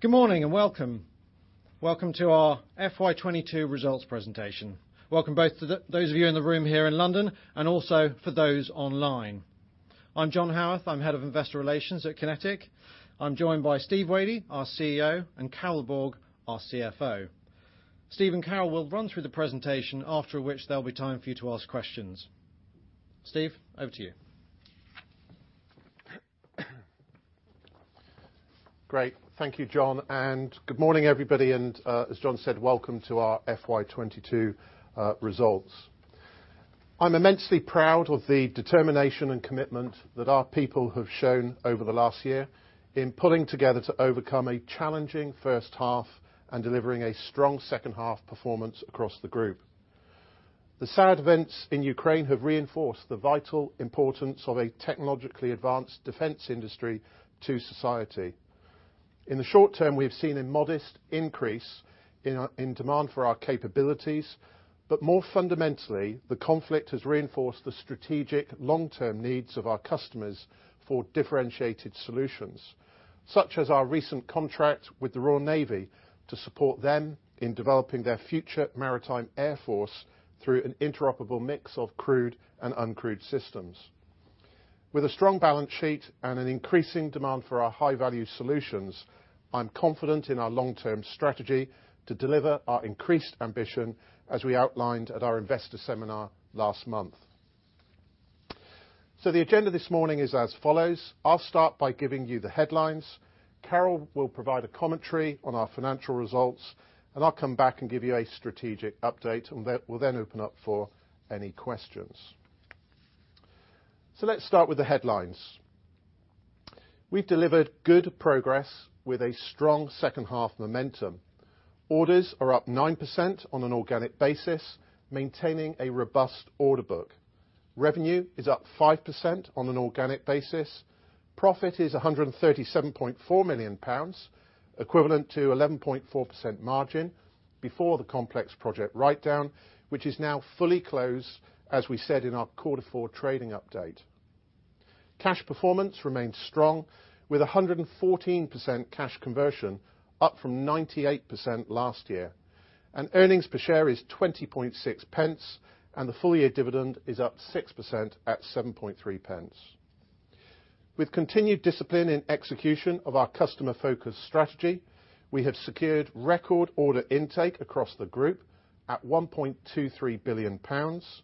Good morning and welcome. Welcome to our FY 2022 results presentation. Welcome both to the, those of you in the room here in London and also for those online. I'm John Haworth, Head of Investor Relations at QinetiQ. I'm joined by Steve Wadey, our CEO, and Carol Borg, our CFO. Steve and Carol will run through the presentation, after which there'll be time for you to ask questions. Steve, over to you. Great. Thank you, John, and good morning everybody and, as John said, welcome to our FY 2022 results. I'm immensely proud of the determination and commitment that our people have shown over the last year in pulling together to overcome a challenging first half and delivering a strong second half performance across the group. The sad events in Ukraine have reinforced the vital importance of a technologically advanced defense industry to society. In the short term, we've seen a modest increase in demand for our capabilities, but more fundamentally, the conflict has reinforced the strategic long-term needs of our customers for differentiated solutions. Such as our recent contract with the Royal Navy to support them in developing their future maritime air force through an interoperable mix of crewed and uncrewed systems. With a strong balance sheet and an increasing demand for our high-value solutions, I'm confident in our long-term strategy to deliver our increased ambition, as we outlined at our investor seminar last month. The agenda this morning is as follows, I'll start by giving you the headlines. Carol will provide a commentary on our financial results, and I'll come back and give you a strategic update, and we'll then open up for any questions. Let's start with the headlines. We've delivered good progress with a strong second half momentum. Orders are up 9% on an organic basis, maintaining a robust order book. Revenue is up 5% on an organic basis. Profit is 137.4 million pounds, equivalent to 11.4% margin before the complex project write-down, which is now fully closed, as we said in our quarter four trading update. Cash performance remains strong with 114% cash conversion up from 98% last year. Earnings per share is 0.206, and the full year dividend is up 6% at 0.073. With continued discipline and execution of our customer focus strategy, we have secured record order intake across the group at 1.23 billion pounds,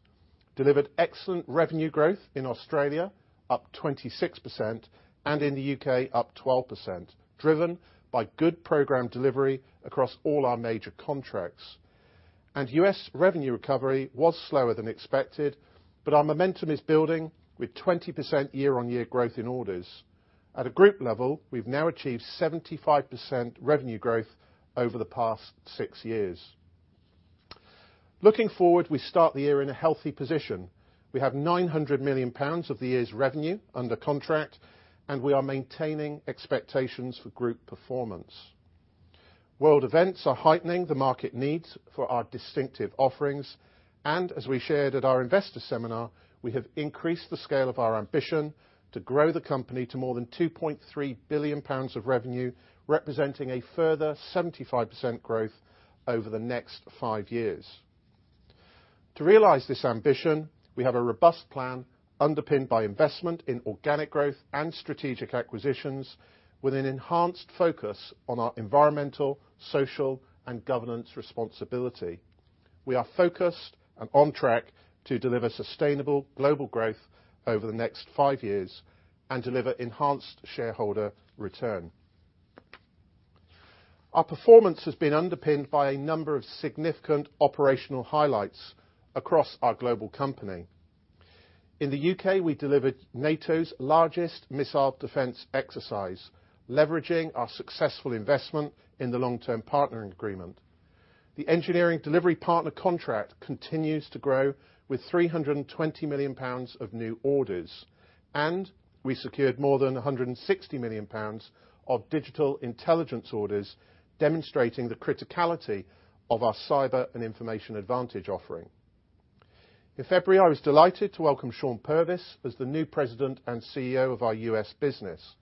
delivered excellent revenue growth in Australia up 26%, and in the U.K. up 12%, driven by good program delivery across all our major contracts. U.S. revenue recovery was slower than expected, but our momentum is building with 20% year-on-year growth in orders. At a group level, we've now achieved 75% revenue growth over the past six years. Looking forward, we start the year in a healthy position. We have 900 million pounds of the year's revenue under contract, and we are maintaining expectations for group performance. World events are heightening the market needs for our distinctive offerings, and as we shared at our investor seminar, we have increased the scale of our ambition to grow the company to more than 2.3 billion pounds of revenue, representing a further 75% growth over the next five years. To realize this ambition, we have a robust plan underpinned by investment in organic growth and strategic acquisitions with an enhanced focus on our environmental, social, and governance responsibility. We are focused and on track to deliver sustainable global growth over the next five years and deliver enhanced shareholder return. Our performance has been underpinned by a number of significant operational highlights across our global company. In the U.K., we delivered NATO's largest missile defense exercise, leveraging our successful investment in the long-term partnering agreement. The Engineering Delivery Partner contract continues to grow with 320 million pounds of new orders, and we secured more than 160 million pounds of digital intelligence orders, demonstrating the criticality of our cyber and information advantage offering. In February, I was delighted to welcome Shawn Purvis as the new President and CEO of our U.S. business.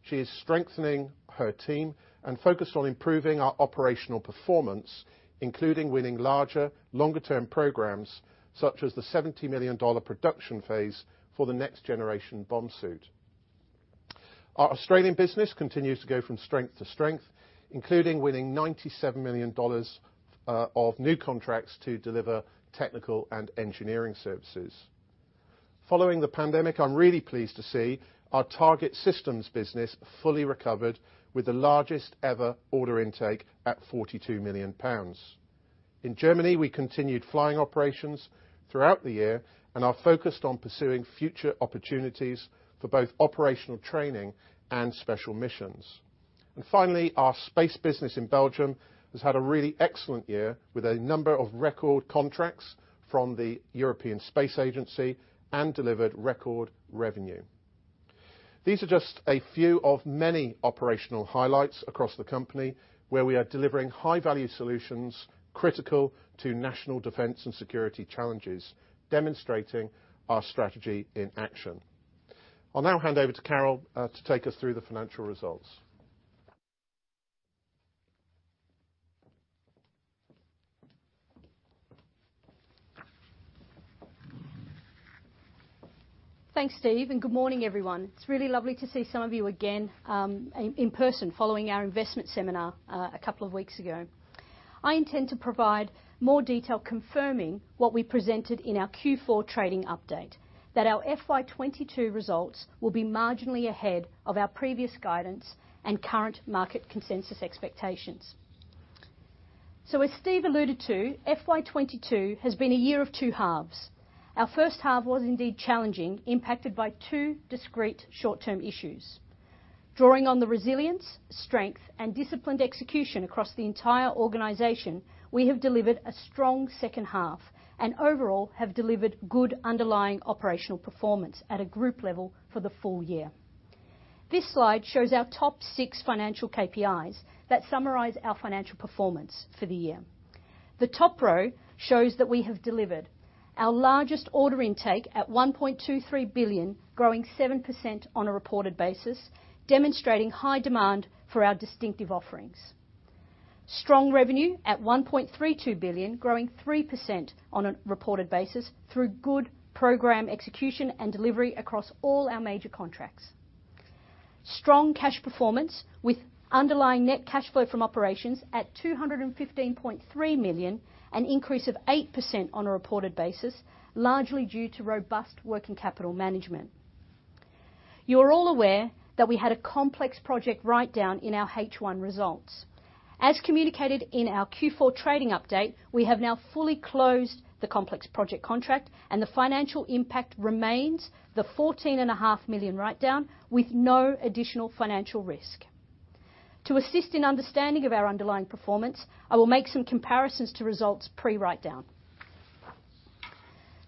She is strengthening her team and focused on improving our operational performance, including winning larger, longer-term programs such as the $70 million production phase for the next generation bomb suit. Our Australian business continues to go from strength to strength, including winning 97 million dollars of new contracts to deliver technical and engineering services. Following the pandemic, I'm really pleased to see our target systems business fully recovered with the largest ever order intake at 42 million pounds. In Germany, we continued flying operations throughout the year and are focused on pursuing future opportunities for both operational training and special missions. Finally, our space business in Belgium has had a really excellent year with a number of record contracts from the European Space Agency and delivered record revenue. These are just a few of many operational highlights across the company where we are delivering high-value solutions critical to national defense and security challenges, demonstrating our strategy in action. I'll now hand over to Carol to take us through the financial results. Thanks, Steve, and good morning everyone. It's really lovely to see some of you again, in person following our investment seminar, a couple of weeks ago. I intend to provide more detail confirming what we presented in our Q4 trading update, that our FY 2022 results will be marginally ahead of our previous guidance and current market consensus expectations. As Steve alluded to, FY 2022 has been a year of two halves. Our first half was indeed challenging, impacted by two discrete short-term issues. Drawing on the resilience, strength, and disciplined execution across the entire organization, we have delivered a strong second half, and overall have delivered good underlying operational performance at a group level for the full year. This slide shows our top six financial KPIs that summarize our financial performance for the year. The top row shows that we have delivered our largest order intake at 1.23 billion, growing 7% on a reported basis, demonstrating high demand for our distinctive offerings. Strong revenue at 1.32 billion, growing 3% on a reported basis through good program execution and delivery across all our major contracts. Strong cash performance with underlying net cash flow from operations at 215.3 million, an increase of 8% on a reported basis, largely due to robust working capital management. You're all aware that we had a complex project write-down in our H1 results. As communicated in our Q4 trading update, we have now fully closed the complex project contract and the financial impact remains the 14.5 million write-down with no additional financial risk. To assist in understanding of our underlying performance, I will make some comparisons to results pre-write-down.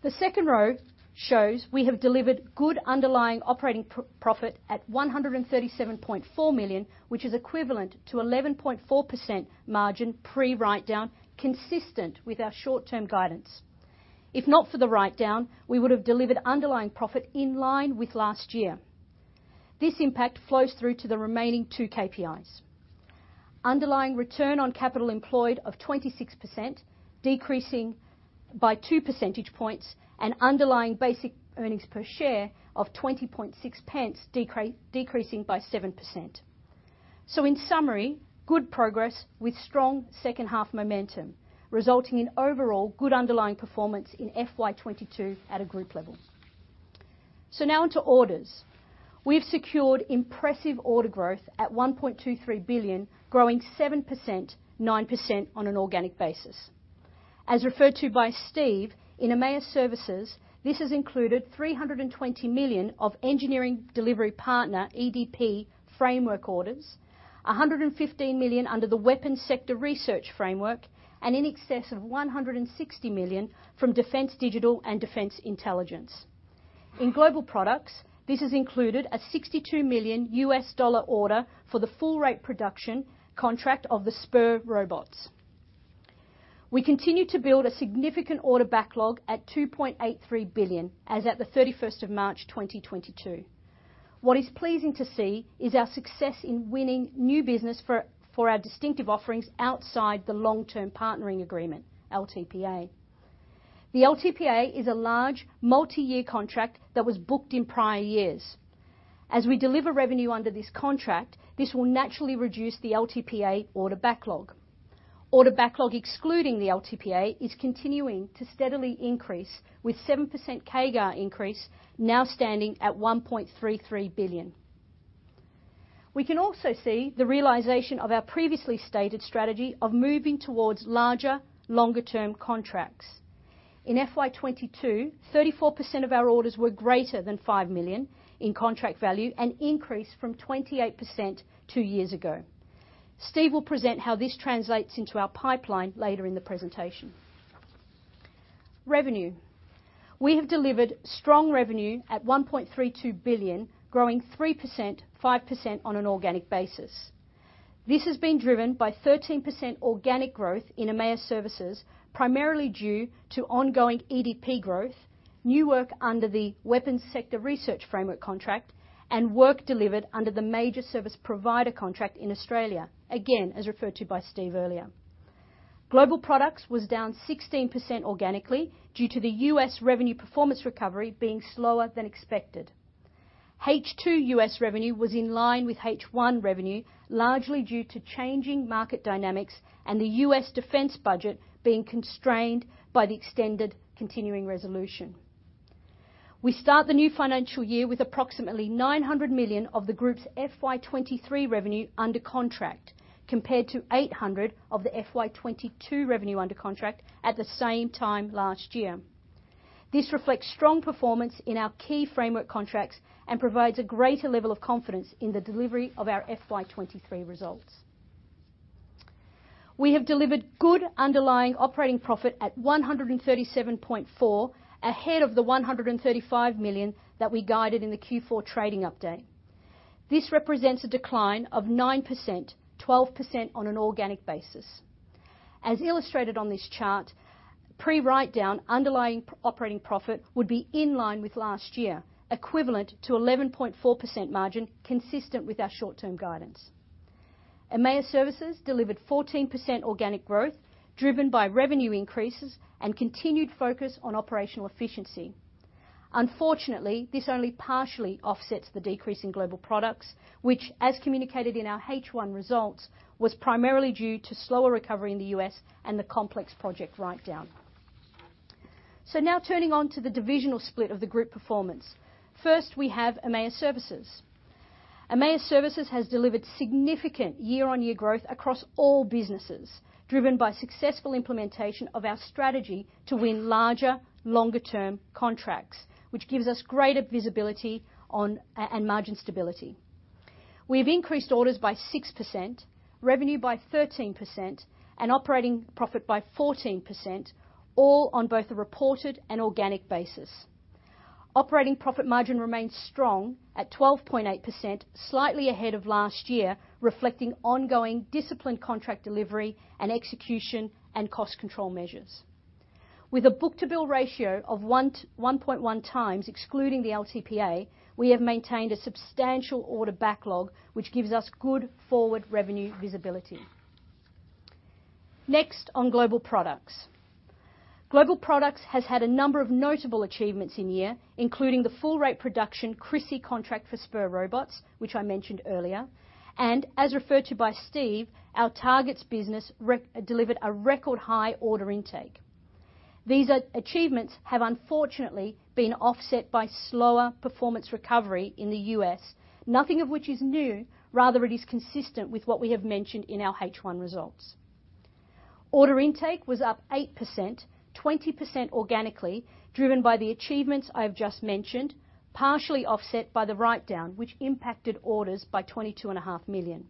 The second row shows we have delivered good underlying operating profit at 137.4 million, which is equivalent to 11.4% margin pre-write-down, consistent with our short-term guidance. If not for the write-down, we would have delivered underlying profit in line with last year. This impact flows through to the remaining two KPIs. Underlying return on capital employed of 26%, decreasing by two percentage points, and underlying basic earnings per share of 0.206, decreasing by 7%. In summary, good progress with strong second half momentum, resulting in overall good underlying performance in FY 2022 at a group level. Now onto orders. We've secured impressive order growth at 1.23 billion, growing 7%, 9% on an organic basis. As referred to by Steve, in EMEA Services, this has included 320 million of Engineering Delivery Partner, EDP, framework orders, 115 million under the Weapons Sector Research Framework, and in excess of 160 million from Defence Digital and Defence Intelligence. In global products, this has included a $62 million order for the full rate production contract of the SPUR robots. We continue to build a significant order backlog at 2.83 billion as at the March 31st, 2022. What is pleasing to see is our success in winning new business for our distinctive offerings outside the long-term partnering agreement, LTPA. The LTPA is a large multi-year contract that was booked in prior years. As we deliver revenue under this contract, this will naturally reduce the LTPA order backlog. Order backlog excluding the LTPA is continuing to steadily increase with 7% CAGR increase now standing at 1.33 billion. We can also see the realization of our previously stated strategy of moving towards larger, longer-term contracts. In FY 2022, 34% of our orders were greater than 5 million in contract value, an increase from 28% two years ago. Steve will present how this translates into our pipeline later in the presentation. Revenue. We have delivered strong revenue at 1.32 billion, growing 3%, 5% on an organic basis. This has been driven by 13% organic growth in EMEA Services, primarily due to ongoing EDP growth, new work under the Weapons Sector Research Framework contract, and work delivered under the major service provider contract in Australia, again, as referred to by Steve earlier. Global products was down 16% organically due to the U.S. revenue performance recovery being slower than expected. H2 U.S. revenue was in line with H1 revenue, largely due to changing market dynamics and the U.S. defense budget being constrained by the extended Continuing Resolution. We start the new financial year with approximately 900 million of the group's FY 2023 revenue under contract, compared to 800 million of the FY 2022 revenue under contract at the same time last year. This reflects strong performance in our key framework contracts and provides a greater level of confidence in the delivery of our FY 2023 results. We have delivered good underlying operating profit at 137.4 million, ahead of the 135 million that we guided in the Q4 trading update. This represents a decline of 9%, 12% on an organic basis. As illustrated on this chart. Pre-write-down underlying operating profit would be in line with last year, equivalent to 11.4% margin, consistent with our short-term guidance. EMEA Services delivered 14% organic growth, driven by revenue increases and continued focus on operational efficiency. Unfortunately, this only partially offsets the decrease in global products, which, as communicated in our H1 results, was primarily due to slower recovery in the U.S. and the complex project write-down. Now turning to the divisional split of the group performance. First, we have EMEA Services. EMEA Services has delivered significant year-on-year growth across all businesses, driven by successful implementation of our strategy to win larger, longer-term contracts, which gives us greater visibility on and margin stability. We have increased orders by 6%, revenue by 13%, and operating profit by 14%, all on both a reported and organic basis. Operating profit margin remains strong at 12.8%, slightly ahead of last year, reflecting ongoing disciplined contract delivery and execution and cost control measures. With a book-to-bill ratio of 1.1x, excluding the LTPA, we have maintained a substantial order backlog, which gives us good forward revenue visibility. Next, on global products. Global products has had a number of notable achievements in year, including the full rate production FRP contract for SPUR robots, which I mentioned earlier. As referred to by Steve, our targets business delivered a record high order intake. These achievements have unfortunately been offset by slower performance recovery in the U.S., nothing of which is new, rather it is consistent with what we have mentioned in our H1 results. Order intake was up 8%, 20% organically, driven by the achievements I have just mentioned, partially offset by the write-down, which impacted orders by 22.5 million.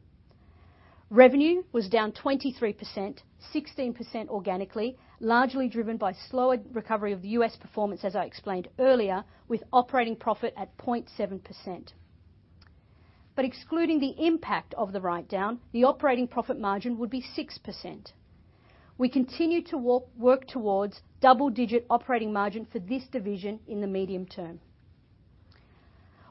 Revenue was down 23%, 16% organically, largely driven by slower recovery of the U.S. performance as I explained earlier, with operating profit at 0.7%. Excluding the impact of the write-down, the operating profit margin would be 6%. We continue to work towards double-digit operating margin for this division in the medium term.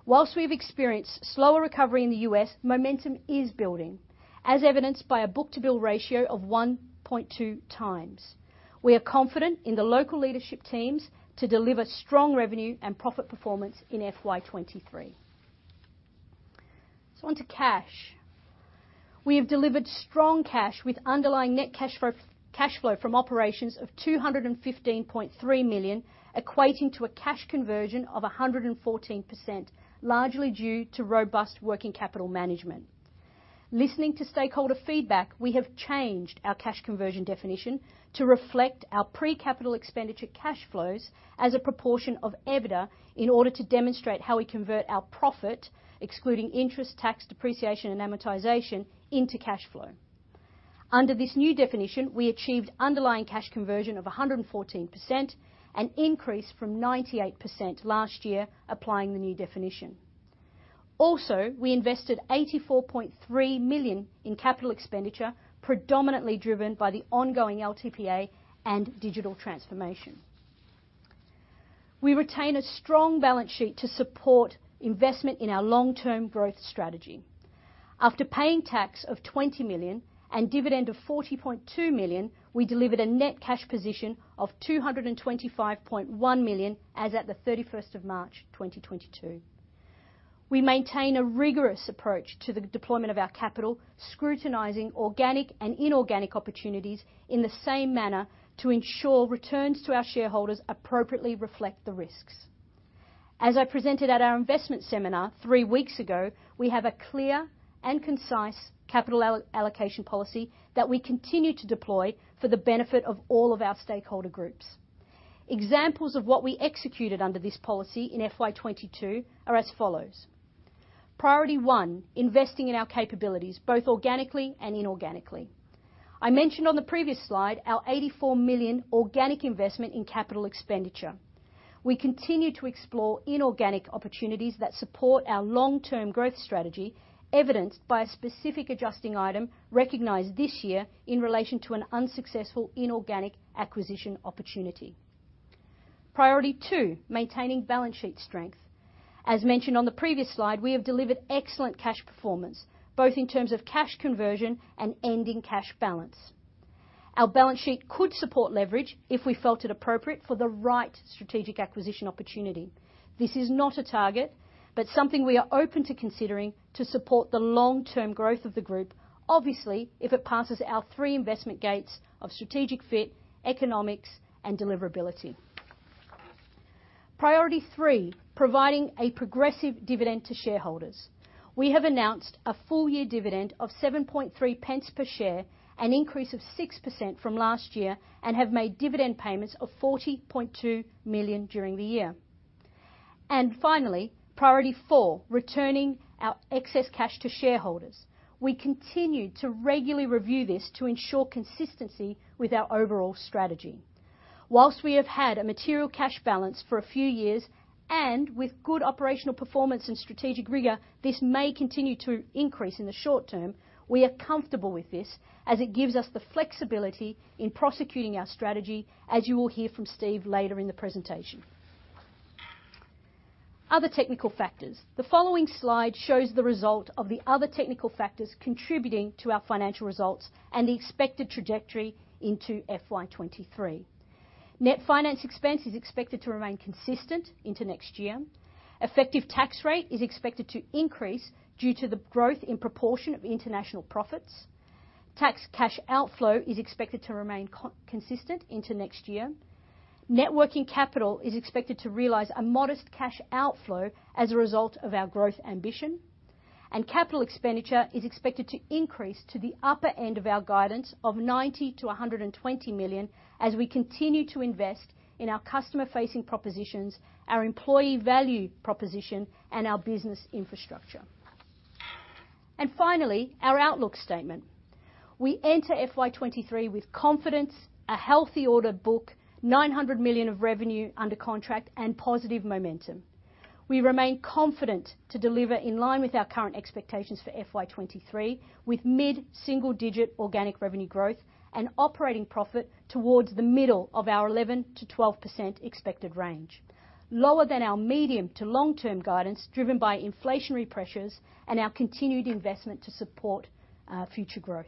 While we've experienced slower recovery in the U.S., momentum is building, as evidenced by a book-to-bill ratio of 1.2x. We are confident in the local leadership teams to deliver strong revenue and profit performance in FY 2023. On to cash. We have delivered strong cash with underlying net cash flow, cash flow from operations of 215.3 million, equating to a cash conversion of 114%, largely due to robust working capital management. Listening to stakeholder feedback, we have changed our cash conversion definition to reflect our pre-capital expenditure cash flows as a proportion of EBITDA in order to demonstrate how we convert our profit, excluding interest, tax, depreciation, and amortization, into cash flow. Under this new definition, we achieved underlying cash conversion of 114%, an increase from 98% last year applying the new definition. Also, we invested 84.3 million in capital expenditure, predominantly driven by the ongoing LTPA and digital transformation. We retain a strong balance sheet to support investment in our long-term growth strategy. After paying tax of 20 million and dividend of 40.2 million, we delivered a net cash position of 225.1 million as at March 31st, 2022. We maintain a rigorous approach to the deployment of our capital, scrutinizing organic and inorganic opportunities in the same manner to ensure returns to our shareholders appropriately reflect the risks. As I presented at our investment seminar three weeks ago, we have a clear and concise capital allocation policy that we continue to deploy for the benefit of all of our stakeholder groups. Examples of what we executed under this policy in FY 2022 are as follows. Priority one, investing in our capabilities, both organically and inorganically. I mentioned on the previous slide our 84 million organic investment in capital expenditure. We continue to explore inorganic opportunities that support our long-term growth strategy, evidenced by a specific adjusting item recognized this year in relation to an unsuccessful inorganic acquisition opportunity. Priority two, maintaining balance sheet strength. As mentioned on the previous slide, we have delivered excellent cash performance, both in terms of cash conversion and ending cash balance. Our balance sheet could support leverage if we felt it appropriate for the right strategic acquisition opportunity. This is not a target, but something we are open to considering to support the long-term growth of the group, obviously, if it passes our three investment gates of strategic fit, economics, and deliverability. Priority three, providing a progressive dividend to shareholders. We have announced a full year dividend of 0.073 per share, an increase of 6% from last year, and have made dividend payments of 40.2 million during the year. Finally, priority four, returning our excess cash to shareholders. We continue to regularly review this to ensure consistency with our overall strategy. While we have had a material cash balance for a few years, and with good operational performance and strategic rigor, this may continue to increase in the short term. We are comfortable with this, as it gives us the flexibility in prosecuting our strategy, as you will hear from Steve later in the presentation. Other technical factors. The following slide shows the result of the other technical factors contributing to our financial results and the expected trajectory into FY 2023. Net finance expense is expected to remain consistent into next year. Effective tax rate is expected to increase due to the growth in proportion of international profits. Tax cash outflow is expected to remain consistent into next year. Net working capital is expected to realize a modest cash outflow as a result of our growth ambition. Capital expenditure is expected to increase to the upper end of our guidance of 90 million-120 million as we continue to invest in our customer-facing propositions, our employee value proposition, and our business infrastructure. Finally, our outlook statement. We enter FY 2023 with confidence, a healthy order book, 900 million of revenue under contract, and positive momentum. We remain confident to deliver in line with our current expectations for FY 2023, with mid-single digit organic revenue growth and operating profit towards the middle of our 11%-12% expected range, lower than our medium to long-term guidance, driven by inflationary pressures and our continued investment to support future growth.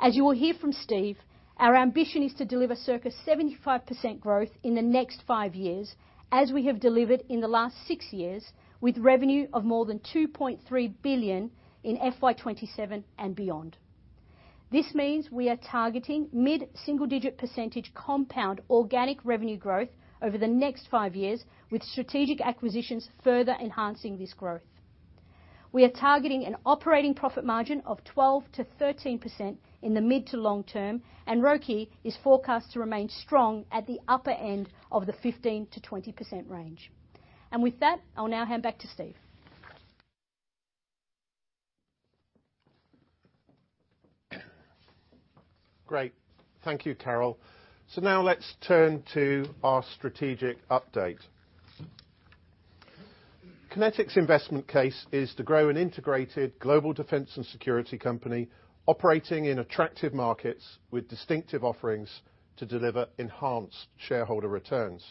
As you will hear from Steve, our ambition is to deliver circa 75% growth in the next five years, as we have delivered in the last six years, with revenue of more than 2.3 billion in FY 2027 and beyond. This means we are targeting mid-single digit % compound organic revenue growth over the next five years, with strategic acquisitions further enhancing this growth. We are targeting an operating profit margin of 12%-13% in the mid to long term, and ROCE is forecast to remain strong at the upper end of the 15%-20% range. With that, I'll now hand back to Steve. Great. Thank you, Carol. Now let's turn to our strategic update. QinetiQ's investment case is to grow an integrated global defense and security company operating in attractive markets with distinctive offerings to deliver enhanced shareholder returns.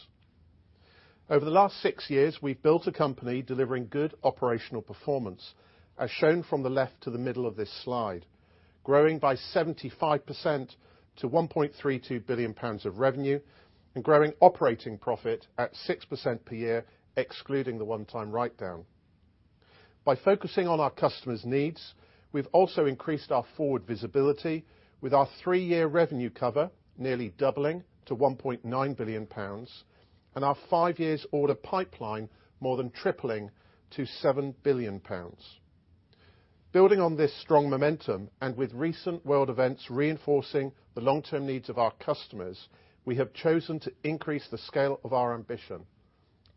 Over the last six years, we've built a company delivering good operational performance, as shown from the left to the middle of this slide, growing by 75% to 1.32 billion pounds of revenue, and growing operating profit at 6% per year, excluding the one-time writedown. By focusing on our customers' needs, we've also increased our forward visibility with our three-year revenue cover nearly doubling to 1.9 billion pounds, and our five years order pipeline more than tripling to 7 billion pounds. Building on this strong momentum, and with recent world events reinforcing the long-term needs of our customers, we have chosen to increase the scale of our ambition.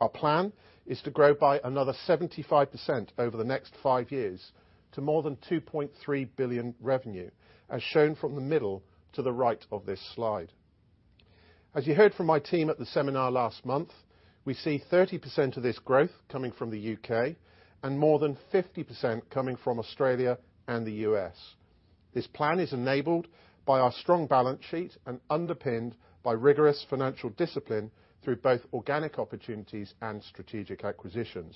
Our plan is to grow by another 75% over the next five years to more than 2.3 billion revenue, as shown from the middle to the right of this slide. As you heard from my team at the seminar last month, we see 30% of this growth coming from the U.K. and more than 50% coming from Australia and the U.S. This plan is enabled by our strong balance sheet and underpinned by rigorous financial discipline through both organic opportunities and strategic acquisitions.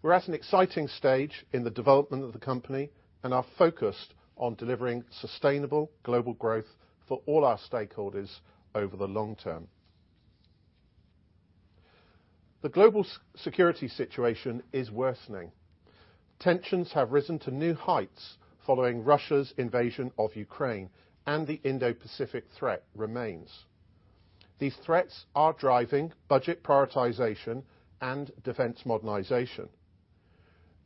We're at an exciting stage in the development of the company and are focused on delivering sustainable global growth for all our stakeholders over the long term. The global security situation is worsening. Tensions have risen to new heights following Russia's invasion of Ukraine, and the Indo-Pacific threat remains. These threats are driving budget prioritization and defense modernization.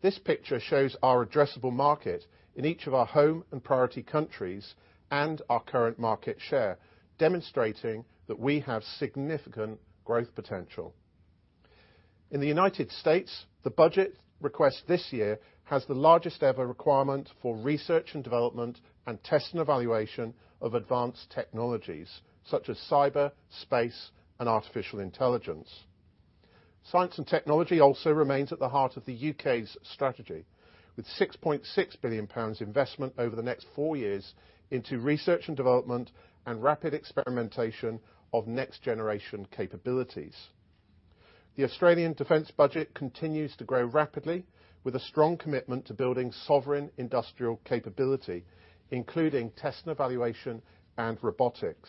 This picture shows our addressable market in each of our home and priority countries and our current market share, demonstrating that we have significant growth potential. In the United States, the budget request this year has the largest ever requirement for research and development and test and evaluation of advanced technologies such as cyber, space, and artificial intelligence. Science and technology also remains at the heart of the U.K.'s strategy, with 6.6 billion pounds investment over the next four years into research and development and rapid experimentation of next-generation capabilities. The Australian defense budget continues to grow rapidly with a strong commitment to building sovereign industrial capability, including test and evaluation and robotics.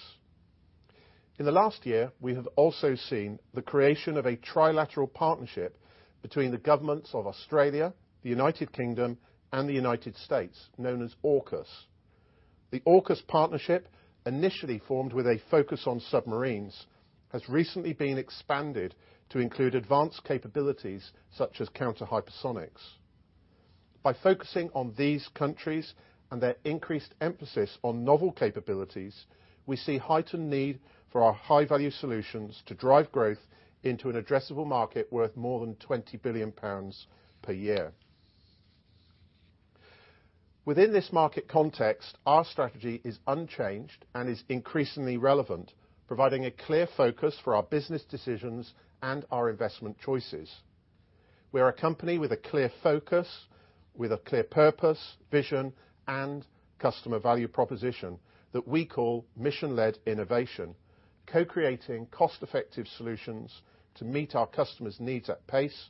In the last year, we have also seen the creation of a trilateral partnership between the governments of Australia, the United Kingdom, and the United States, known as AUKUS. The AUKUS partnership, initially formed with a focus on submarines, has recently been expanded to include advanced capabilities such as counter-hypersonics. By focusing on these countries and their increased emphasis on novel capabilities, we see heightened need for our high-value solutions to drive growth into an addressable market worth more than 20 billion pounds per year. Within this market context, our strategy is unchanged and is increasingly relevant, providing a clear focus for our business decisions and our investment choices. We are a company with a clear focus, with a clear purpose, vision, and customer value proposition that we call mission-led innovation, co-creating cost-effective solutions to meet our customers' needs at pace,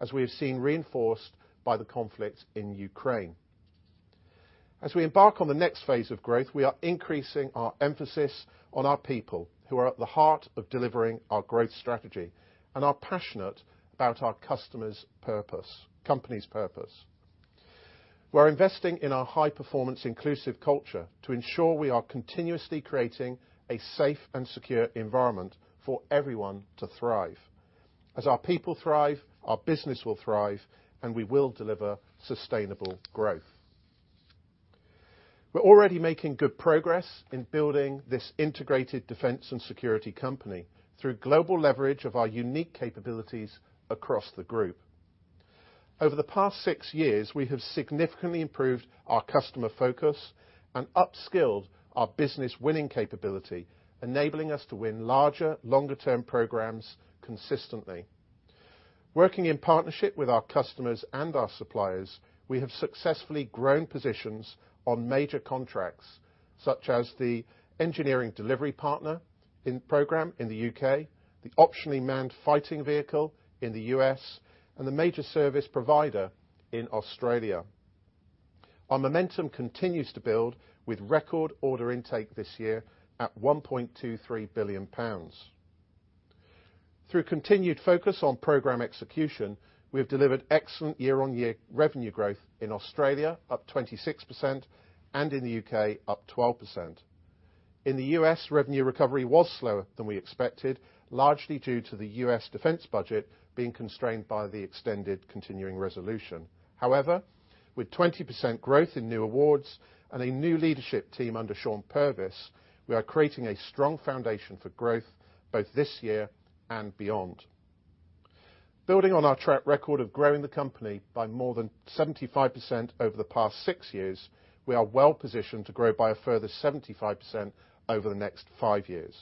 as we have seen reinforced by the conflict in Ukraine. As we embark on the next phase of growth, we are increasing our emphasis on our people, who are at the heart of delivering our growth strategy and are passionate about our customers' purpose, company's purpose. We're investing in our high-performance inclusive culture to ensure we are continuously creating a safe and secure environment for everyone to thrive. As our people thrive, our business will thrive, and we will deliver sustainable growth. We're already making good progress in building this integrated defense and security company through global leverage of our unique capabilities across the group. Over the past six years, we have significantly improved our customer focus and upskilled our business-winning capability, enabling us to win larger, longer-term programs consistently. Working in partnership with our customers and our suppliers, we have successfully grown positions on major contracts, such as the Engineering Delivery Partner program in the U.K., the Optionally Manned Fighting Vehicle in the U.S., and the major service provider in Australia. Our momentum continues to build with record order intake this year at 1.23 billion pounds. Through continued focus on program execution, we have delivered excellent year-on-year revenue growth in Australia, up 26%, and in the U.K., up 12%. In the U.S., revenue recovery was slower than we expected, largely due to the U.S. defense budget being constrained by the extended Continuing Resolution. However, with 20% growth in new awards and a new leadership team under Shawn Purvis, we are creating a strong foundation for growth both this year and beyond. Building on our track record of growing the company by more than 75% over the past six years, we are well-positioned to grow by a further 75% over the next five years.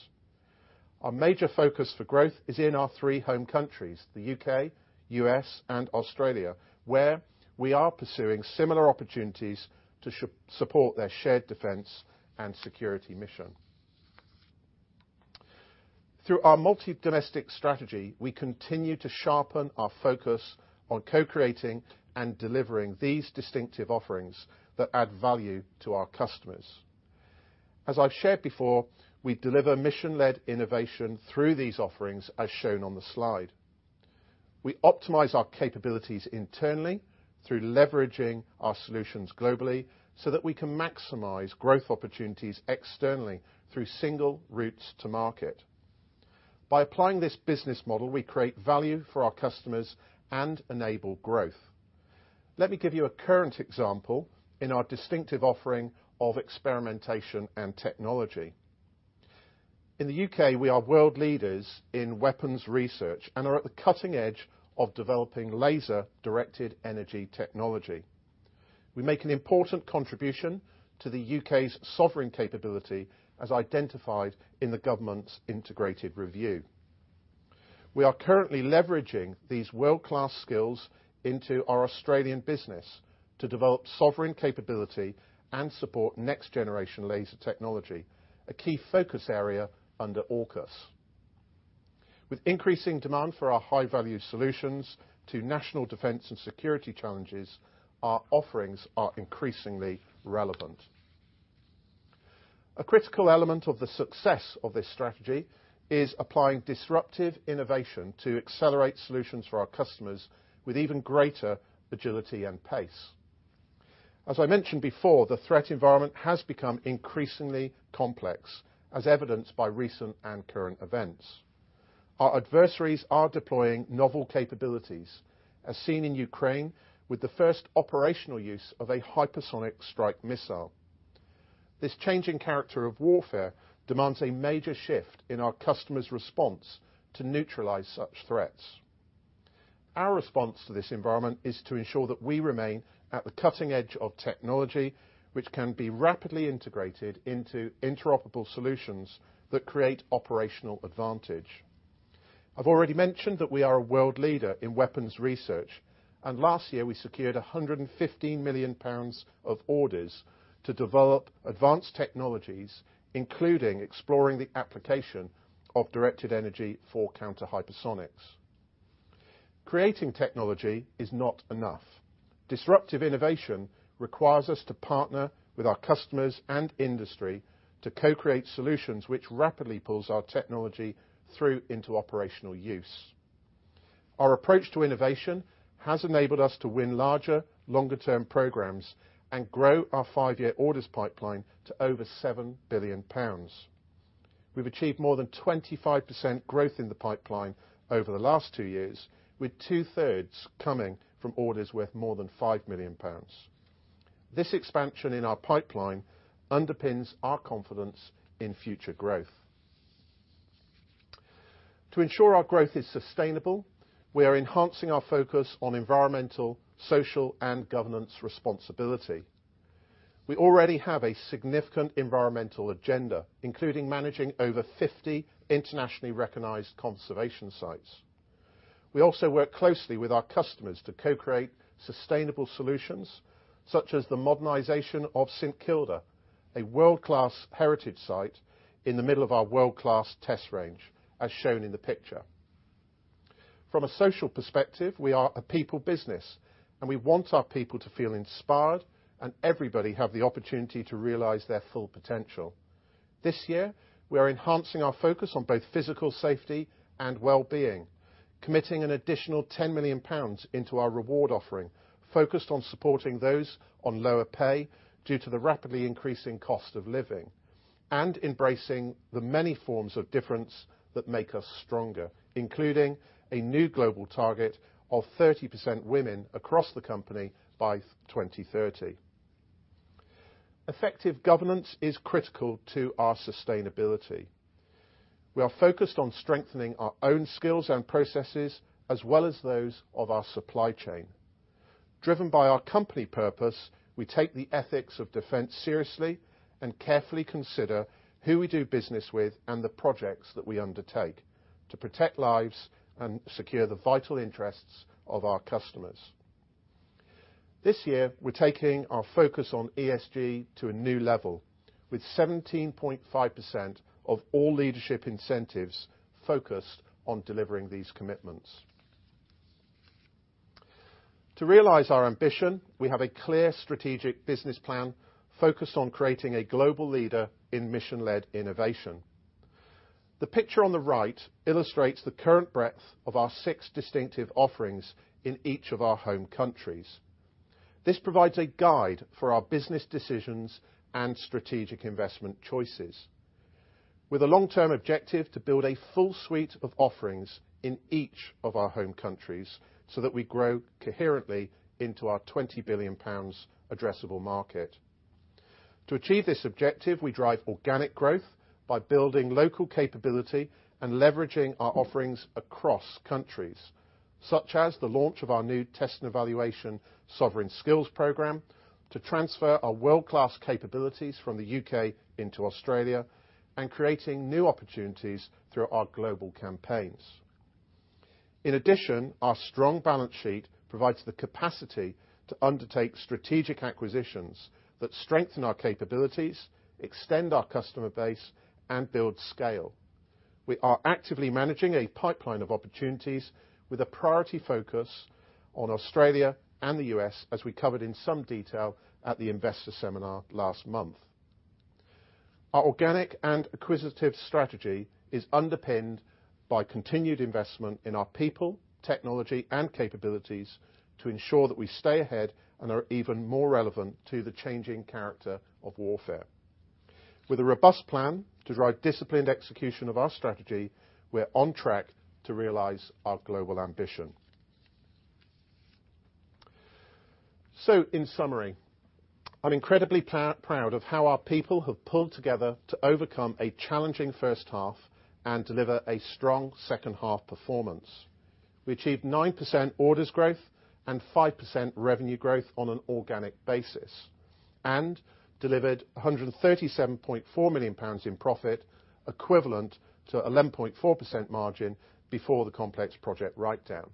Our major focus for growth is in our three home countries, the U.K., U.S., and Australia, where we are pursuing similar opportunities to support their shared defense and security mission. Through our multi-domestic strategy, we continue to sharpen our focus on co-creating and delivering these distinctive offerings that add value to our customers. As I've shared before, we deliver mission-led innovation through these offerings as shown on the slide. We optimize our capabilities internally through leveraging our solutions globally so that we can maximize growth opportunities externally through single routes to market. By applying this business model, we create value for our customers and enable growth. Let me give you a current example in our distinctive offering of experimentation and technology. In the U.K., we are world leaders in weapons research and are at the cutting edge of developing laser-directed energy technology. We make an important contribution to the U.K.'s sovereign capability as identified in the government's Integrated Review. We are currently leveraging these world-class skills into our Australian business to develop sovereign capability and support next-generation laser technology, a key focus area under AUKUS. With increasing demand for our high-value solutions to national defense and security challenges, our offerings are increasingly relevant. A critical element of the success of this strategy is applying disruptive innovation to accelerate solutions for our customers with even greater agility and pace. As I mentioned before, the threat environment has become increasingly complex, as evidenced by recent and current events. Our adversaries are deploying novel capabilities, as seen in Ukraine with the first operational use of a hypersonic strike missile. This changing character of warfare demands a major shift in our customers' response to neutralize such threats. Our response to this environment is to ensure that we remain at the cutting edge of technology, which can be rapidly integrated into interoperable solutions that create operational advantage. I've already mentioned that we are a world leader in weapons research, and last year we secured 115 million pounds of orders to develop advanced technologies, including exploring the application of directed energy for counter-hypersonics. Creating technology is not enough. Disruptive innovation requires us to partner with our customers and industry to co-create solutions which rapidly pulls our technology through into operational use. Our approach to innovation has enabled us to win larger, longer-term programs and grow our five-year orders pipeline to over 7 billion pounds. We've achieved more than 25% growth in the pipeline over the last two years, with 2/3 coming from orders worth more than 5 million pounds. This expansion in our pipeline underpins our confidence in future growth. To ensure our growth is sustainable, we are enhancing our focus on environmental, social, and governance responsibility. We already have a significant environmental agenda, including managing over 50 internationally recognized conservation sites. We also work closely with our customers to co-create sustainable solutions, such as the modernization of St Kilda, a world-class heritage site in the middle of our world-class test range, as shown in the picture. From a social perspective, we are a people business, and we want our people to feel inspired and everybody have the opportunity to realize their full potential. This year, we are enhancing our focus on both physical safety and well-being, committing an additional 10 million pounds into our reward offering, focused on supporting those on lower pay due to the rapidly increasing cost of living and embracing the many forms of difference that make us stronger, including a new global target of 30% women across the company by 2030. Effective governance is critical to our sustainability. We are focused on strengthening our own skills and processes as well as those of our supply chain. Driven by our company purpose, we take the ethics of defense seriously and carefully consider who we do business with and the projects that we undertake to protect lives and secure the vital interests of our customers. This year, we're taking our focus on ESG to a new level with 17.5% of all leadership incentives focused on delivering these commitments. To realize our ambition, we have a clear strategic business plan focused on creating a global leader in mission-led innovation. The picture on the right illustrates the current breadth of our six distinctive offerings in each of our home countries. This provides a guide for our business decisions and strategic investment choices with a long-term objective to build a full suite of offerings in each of our home countries so that we grow coherently into our 20 billion pounds addressable market. To achieve this objective, we drive organic growth by building local capability and leveraging our offerings across countries, such as the launch of our new test and evaluation sovereign skills program to transfer our world-class capabilities from the U.K. into Australia and creating new opportunities through our global campaigns. In addition, our strong balance sheet provides the capacity to undertake strategic acquisitions that strengthen our capabilities, extend our customer base, and build scale. We are actively managing a pipeline of opportunities with a priority focus on Australia and the U.S. as we covered in some detail at the investor seminar last month. Our organic and acquisitive strategy is underpinned by continued investment in our people, technology and capabilities to ensure that we stay ahead and are even more relevant to the changing character of warfare. With a robust plan to drive disciplined execution of our strategy, we're on track to realize our global ambition. In summary, I'm incredibly proud of how our people have pulled together to overcome a challenging first half and deliver a strong second half performance. We achieved 9% orders growth and 5% revenue growth on an organic basis, and delivered 137.4 million pounds in profit, equivalent to 11.4% margin before the complex project write-down.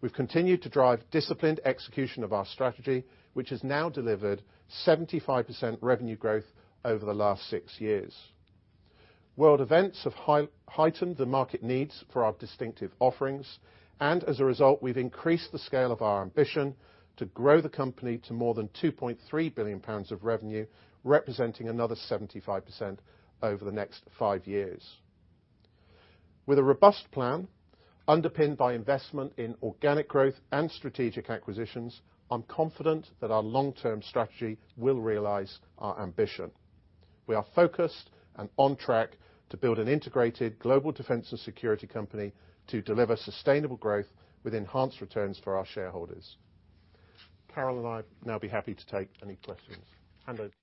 We've continued to drive disciplined execution of our strategy, which has now delivered 75% revenue growth over the last six years. World events have heightened the market needs for our distinctive offerings, and as a result, we've increased the scale of our ambition to grow the company to more than 2.3 billion pounds of revenue, representing another 75% over the next five years. With a robust plan underpinned by investment in organic growth and strategic acquisitions, I'm confident that our long-term strategy will realize our ambition. We are focused and on track to build an integrated global defense and security company to deliver sustainable growth with enhanced returns for our shareholders. Carol and I will now be happy to take any questions. Hand over to you.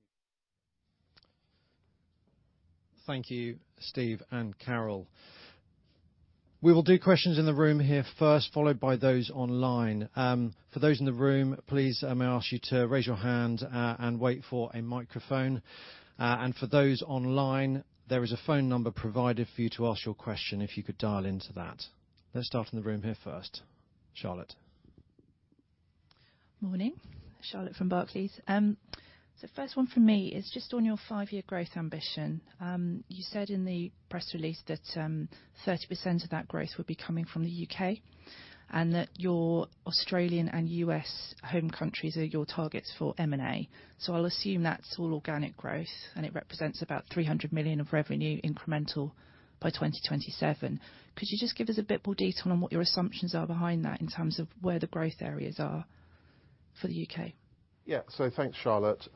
Thank you, Steve and Carol. We will do questions in the room here first, followed by those online. For those in the room, please may I ask you to raise your hand, and wait for a microphone. For those online, there is a phone number provided for you to ask your question if you could dial into that. Let's start in the room here first. Charlotte? Morning. Charlotte from Barclays. First one from me is just on your five-year growth ambition. You said in the press release that 30% of that growth would be coming from the U.K. and that your Australian and U.S. home countries are your targets for M&A. I'll assume that's all organic growth, and it represents about 300 million of revenue incremental by 2027. Could you just give us a bit more detail on what your assumptions are behind that in terms of where the growth areas are for the U.K.? Thanks, Charlotte.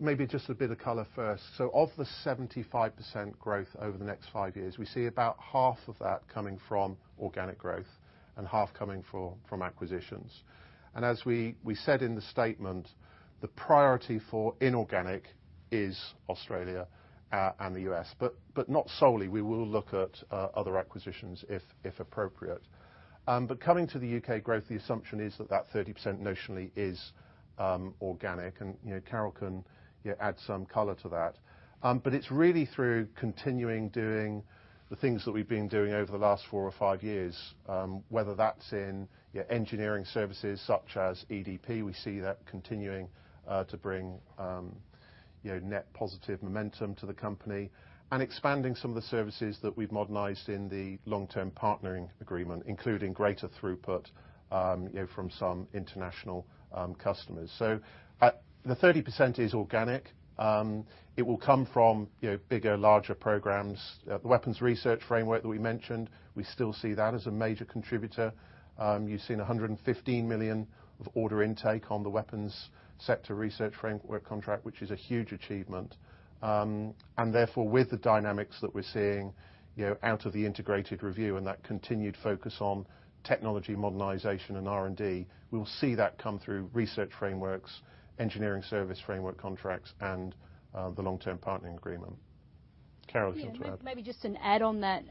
Maybe just a bit of color first. Of the 75% growth over the next five years, we see about half of that coming from organic growth and half coming from acquisitions. As we said in the statement, the priority for inorganic is Australia and the U.S., but not solely. We will look at other acquisitions if appropriate. Coming to the U.K. growth, the assumption is that 30% notionally is organic, and you know, Carol can add some color to that. It's really through continuing doing the things that we've been doing over the last four or five years, whether that's in your engineering services such as EDP, we see that continuing to bring, you know, net positive momentum to the company and expanding some of the services that we've modernized in the long-term partnering agreement, including greater throughput, you know, from some international customers. The 30% is organic. It will come from, you know, bigger, larger programs. The Weapons Sector Research Framework that we mentioned, we still see that as a major contributor. You've seen 115 million of order intake on the Weapons Sector Research Framework contract, which is a huge achievement. Therefore, with the dynamics that we're seeing, you know, out of the Integrated Review and that continued focus on technology modernization and R&D, we'll see that come through research frameworks, engineering service framework contracts, and the long-term partnering agreement. Carol, do you want to add? Yeah. Maybe just an add on that.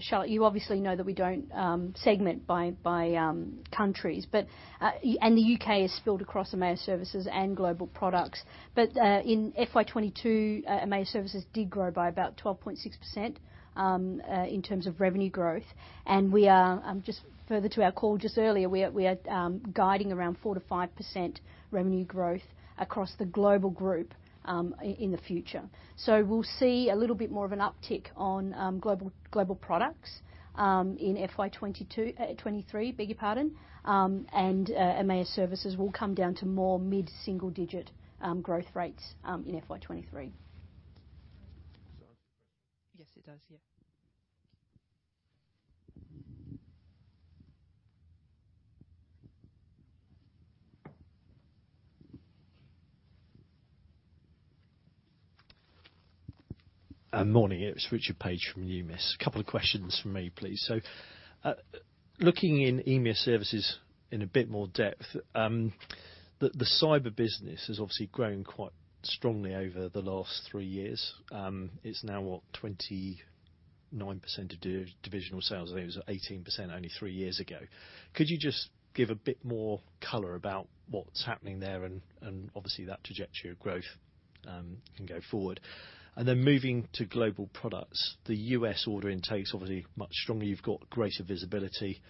Charlotte, you obviously know that we don't segment by countries, but the U.K. is split across EMEA Services and global products. In FY 2022, EMEA Services did grow by about 12.6% in terms of revenue growth, and we are just further to our call just earlier, we are guiding around 4%-5% revenue growth across the global group in the future. We'll see a little bit more of an uptick on global products in FY 2023, beg your pardon. EMEA Services will come down to more mid-single digit growth rates in FY 2023. Does that answer your question? Yes, it does. Yeah. Morning. It's Richard Paige from Numis. A couple of questions from me, please. Looking in EMEA Services in a bit more depth, the cyber business has obviously grown quite strongly over the last three years. It's now, what, 29% of divisional sales? I think it was 18% only three years ago. Could you just give a bit more color about what's happening there and obviously that trajectory of growth can go forward? Moving to global products, the U.S. order intake's obviously much stronger. You've got greater visibility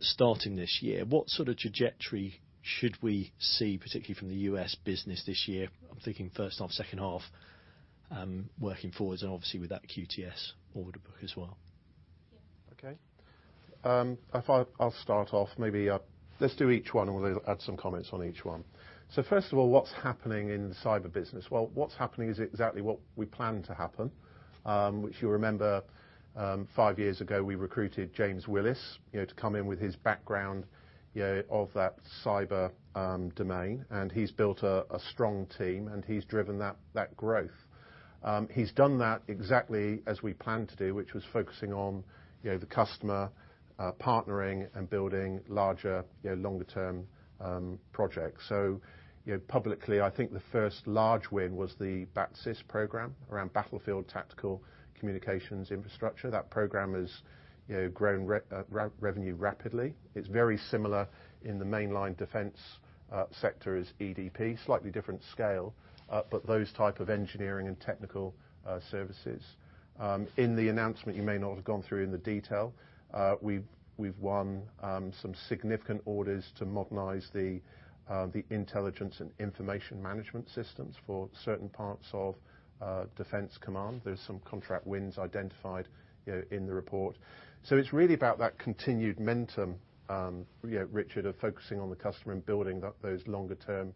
starting this year. What sort of trajectory should we see, particularly from the U.S. business this year? I'm thinking first half, second half, working forwards and obviously with that QTS order book as well. Okay. I'll start off maybe, let's do each one and we'll add some comments on each one. First of all, what's happening in the cyber business? Well, what's happening is exactly what we plan to happen, which you'll remember, five years ago, we recruited James Willis, you know, to come in with his background, you know, of that cyber domain, and he's built a strong team, and he's driven that growth. He's done that exactly as we planned to do, which was focusing on, you know, the customer, partnering and building larger, you know, longer-term projects. You know, publicly, I think the first large win was the BATCIS program around Battlefield and Tactical Communication and Information Systems. That program has, you know, grown revenue rapidly. It's very similar in the mainline defense sector as EDP, slightly different scale, but those type of engineering and technical services. In the announcement, you may not have gone through in detail, we've won some significant orders to modernize the intelligence and information management systems for certain parts of defense command. There's some contract wins identified, you know, in the report. It's really about that continued momentum, you know, Richard, of focusing on the customer and building up those longer-term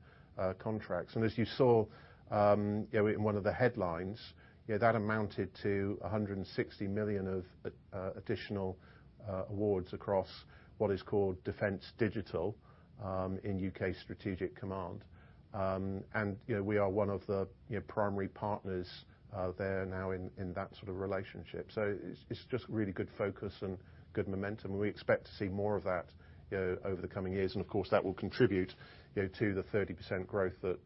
contracts. As you saw, you know, in one of the headlines, you know, that amounted to 160 million of additional awards across what is called Defence Digital in U.K. Strategic Command. You know, we are one of the, you know, primary partners there now in that sort of relationship. It's just really good focus and good momentum. We expect to see more of that, you know, over the coming years, and of course, that will contribute, you know, to the 30% growth that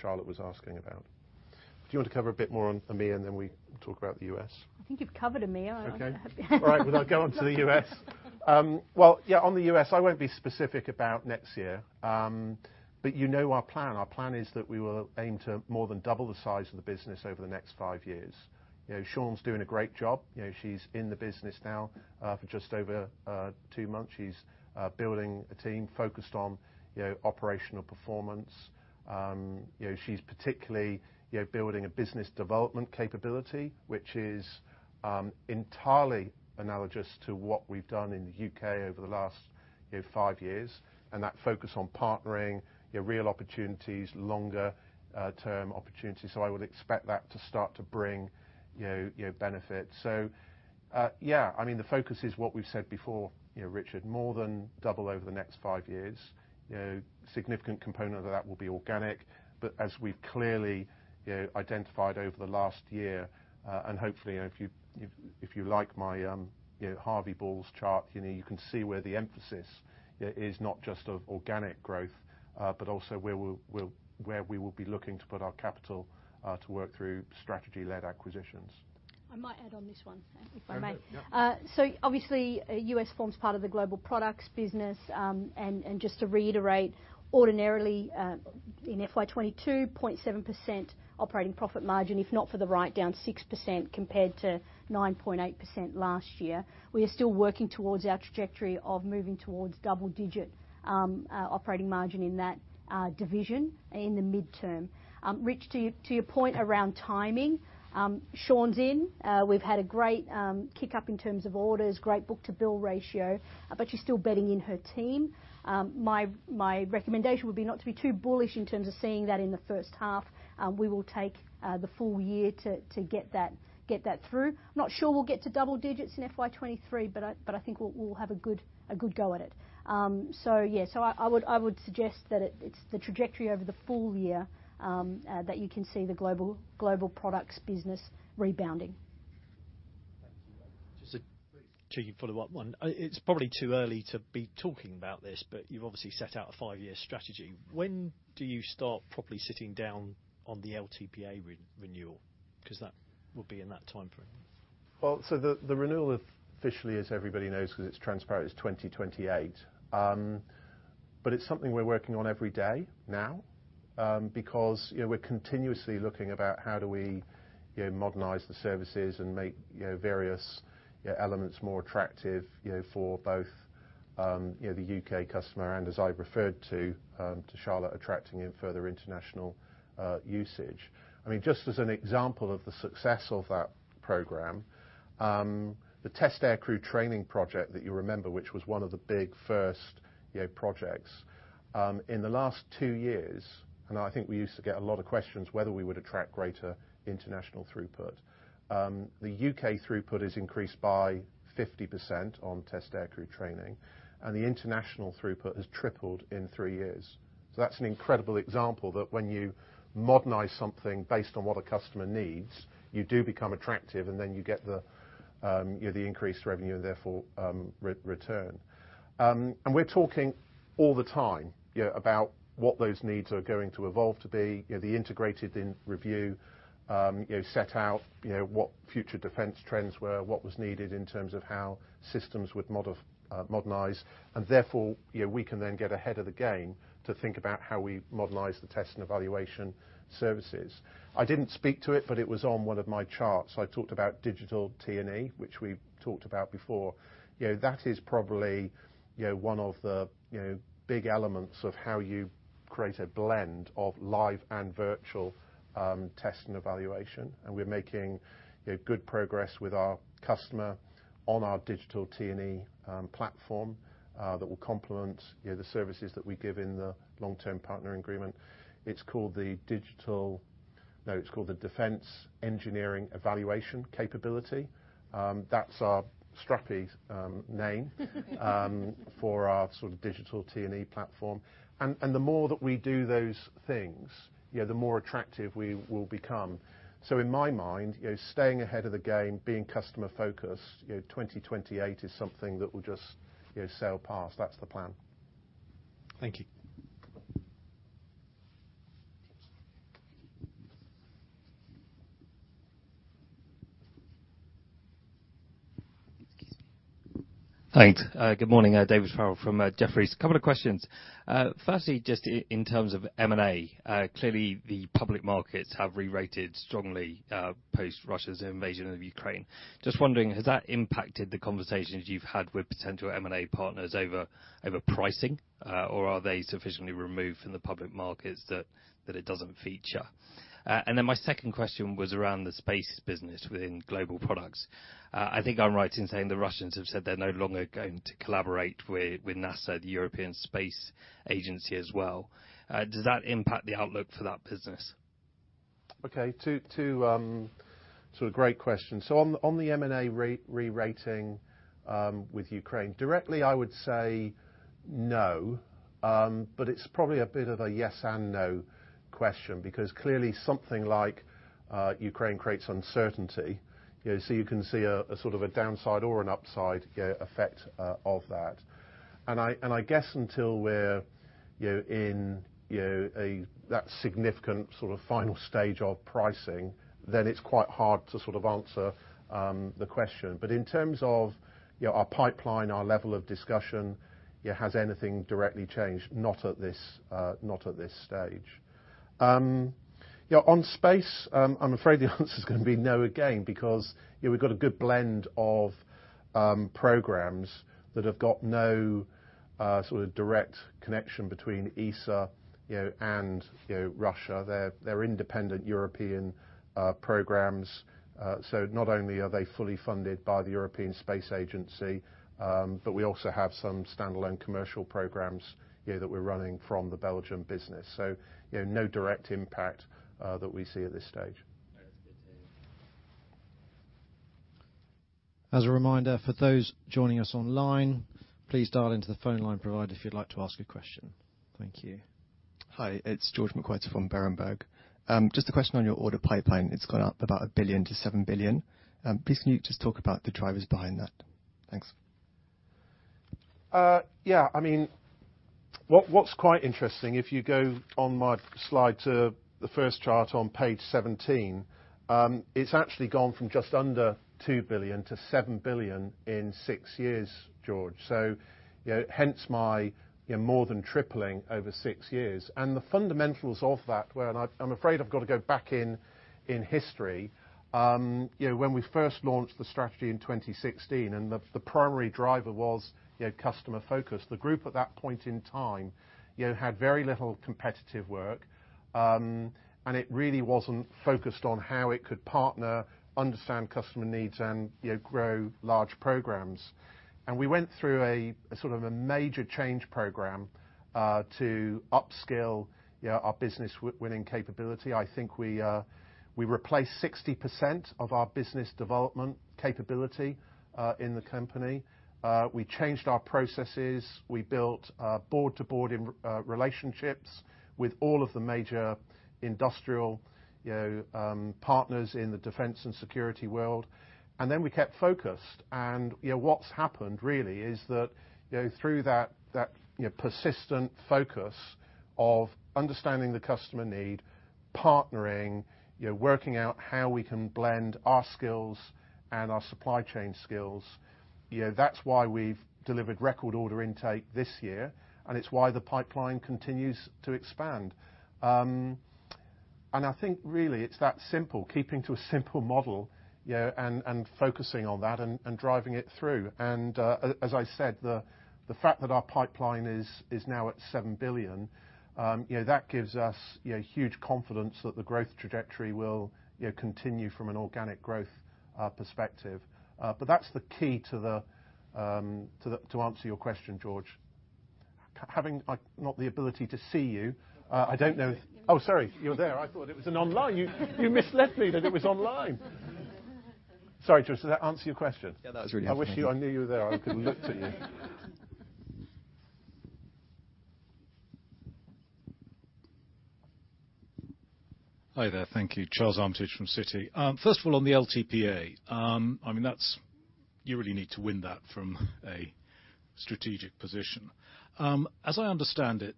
Charlotte was asking about. Do you want to cover a bit more on EMEA, and then we talk about the U.S.? I think you've covered EMEA. Okay. All right. Well, I'll go on to the U.S. Well, yeah, on the U.S., I won't be specific about next year. You know our plan. Our plan is that we will aim to more than double the size of the business over the next five years. You know, Shawn's doing a great job. You know, she's in the business now for just over two months. She's building a team focused on, you know, operational performance. You know, she's particularly, you know, building a business development capability, which is entirely analogous to what we've done in the U.K. over the last, you know, five years, and that focus on partnering, you know, real opportunities, longer term opportunities. I would expect that to start to bring, you know, you know, benefits. I mean, the focus is what we've said before, you know, Richard, more than double over the next five years. You know, significant component of that will be organic, but as we've clearly, you know, identified over the last year, and hopefully, you know, if you like my, you know, Harvey Balls chart, you know, you can see where the emphasis, you know, is not just of organic growth, but also where we will be looking to put our capital, to work through strategy-led acquisitions. I might add on this one, if I may. Okay. Yeah. Obviously, U.S. forms part of the global products business. Just to reiterate, ordinarily, in FY 2022, 0.7% operating profit margin, if not for the writedown 6% compared to 9.8% last year. We are still working towards our trajectory of moving towards double-digit operating margin in that division in the midterm. Richard, to your point around timing, Shawn's in. We've had a great kick up in terms of orders, great book-to-bill ratio, but she's still bedding in her team. My recommendation would be not to be too bullish in terms of seeing that in the first half. We will take the full year to get that through. I'm not sure we'll get to double digits in FY 2023, but I think we'll have a good go at it. I would suggest that it's the trajectory over the full year that you can see the global products business rebounding. Thank you. Just to follow up on. It's probably too early to be talking about this, but you've obviously set out a five-year strategy. When do you start properly sitting down on the LTPA renewal? 'Cause that will be in that time frame. The renewal officially, as everybody knows, 'cause it's transparent, is 2028. It's something we're working on every day now, because, you know, we're continuously looking about how do we, you know, modernize the services and make, you know, various, you know, elements more attractive, you know, for both, you know, the U.K. customer and as I referred to Charlotte, attracting in further international usage. I mean, just as an example of the success of that program, the test aircrew training project that you remember, which was one of the big first, you know, projects, in the last two years, and I think we used to get a lot of questions whether we would attract greater international throughput. The U.K. throughput is increased by 50% on test aircrew training, and the international throughput has tripled in three years. That's an incredible example that when you modernize something based on what a customer needs, you do become attractive, and then you get the, you know, the increased revenue, therefore, return. We're talking all the time, you know, about what those needs are going to evolve to be, you know. The Integrated Review, you know, set out, you know, what future defense trends were, what was needed in terms of how systems would modernize, and therefore, you know, we can then get ahead of the game to think about how we modernize the test and evaluation services. I didn't speak to it, but it was on one of my charts. I talked about digital T&E, which we've talked about before. You know, that is probably, you know, one of the, you know, big elements of how you create a blend of live and virtual test and evaluation. We're making, you know, good progress with our customer on our digital T&E platform that will complement, you know, the services that we give in the long-term partner agreement. It's called the Defence Experimentation and Evaluation Capability. That's our strappy name for our sort of digital T&E platform. The more that we do those things, you know, the more attractive we will become. In my mind, you know, staying ahead of the game, being customer-focused, you know, 2028 is something that will just, you know, sail past. That's the plan. Thank you. Thanks. Good morning. David Farrell from Jefferies. A couple of questions. Firstly, just in terms of M&A, clearly the public markets have rerated strongly, post Russia's invasion of Ukraine. Just wondering, has that impacted the conversations you've had with potential M&A partners over pricing? Or are they sufficiently removed from the public markets that it doesn't feature? My second question was around the space business within global products. I think I'm right in saying the Russians have said they're no longer going to collaborate with NASA, the European Space Agency as well. Does that impact the outlook for that business? Okay. Two sort of great questions. On the M&A re-rerating with Ukraine, directly, I would say no. It's probably a bit of a yes and no question, because clearly something like Ukraine creates uncertainty. You know, so you can see a sort of downside or an upside, you know, effect of that. I guess until we're, you know, in that significant sort of final stage of pricing, then it's quite hard to sort of answer the question. In terms of, you know, our pipeline, our level of discussion, you know, has anything directly changed? Not at this stage. You know, on space, I'm afraid the answer's gonna be no again, because, you know, we've got a good blend of programs that have got no sort of direct connection between ESA, you know, and Russia. They're independent European programs. So not only are they fully funded by the European Space Agency, but we also have some standalone commercial programs, you know, that we're running from the Belgian business. So, you know, no direct impact that we see at this stage. All right. Good to hear. As a reminder, for those joining us online, please dial into the phone line provided if you'd like to ask a question. Thank you. Hi, it's George McWhirter from Berenberg. Just a question on your order pipeline. It's gone up about 1 billion-7 billion. Please can you just talk about the drivers behind that? Thanks. Yeah. I mean, what's quite interesting, if you go on my slide to the first chart on page 17, it's actually gone from just under 2 billion-7 billion in six years, George. So, you know, hence my, you know, more than tripling over six years. The fundamentals of that were, and I'm afraid I've got to go back in history, you know, when we first launched the strategy in 2016 and the primary driver was, you know, customer focus. The group at that point in time, you know, had very little competitive work, and it really wasn't focused on how it could partner, understand customer needs and, you know, grow large programs. We went through a sort of major change program to upskill, you know, our business winning capability. I think we replaced 60% of our business development capability in the company. We changed our processes. We built board to board in relationships with all of the major industrial, you know, partners in the defense and security world. We kept focused. You know, what's happened really is that you know through that you know persistent focus of understanding the customer need, partnering, you know, working out how we can blend our skills and our supply chain skills, you know, that's why we've delivered record order intake this year, and it's why the pipeline continues to expand. I think really it's that simple. Keeping to a simple model, you know, focusing on that and driving it through. As I said, the fact that our pipeline is now at 7 billion, you know, that gives us, you know, huge confidence that the growth trajectory will, you know, continue from an organic growth perspective. But that's the key to answer your question, George. Having, like, not the ability to see you, I don't know. Oh, sorry, you're there. I thought it was an online. You misled me that it was online. Sorry, George. Does that answer your question? Yeah, that was really helpful. I knew you were there. I could have looked at you. Hi there. Thank you. Charles Armitage from Citi. First of all, on the LTPA, I mean, that's you really need to win that from a strategic position. As I understand it,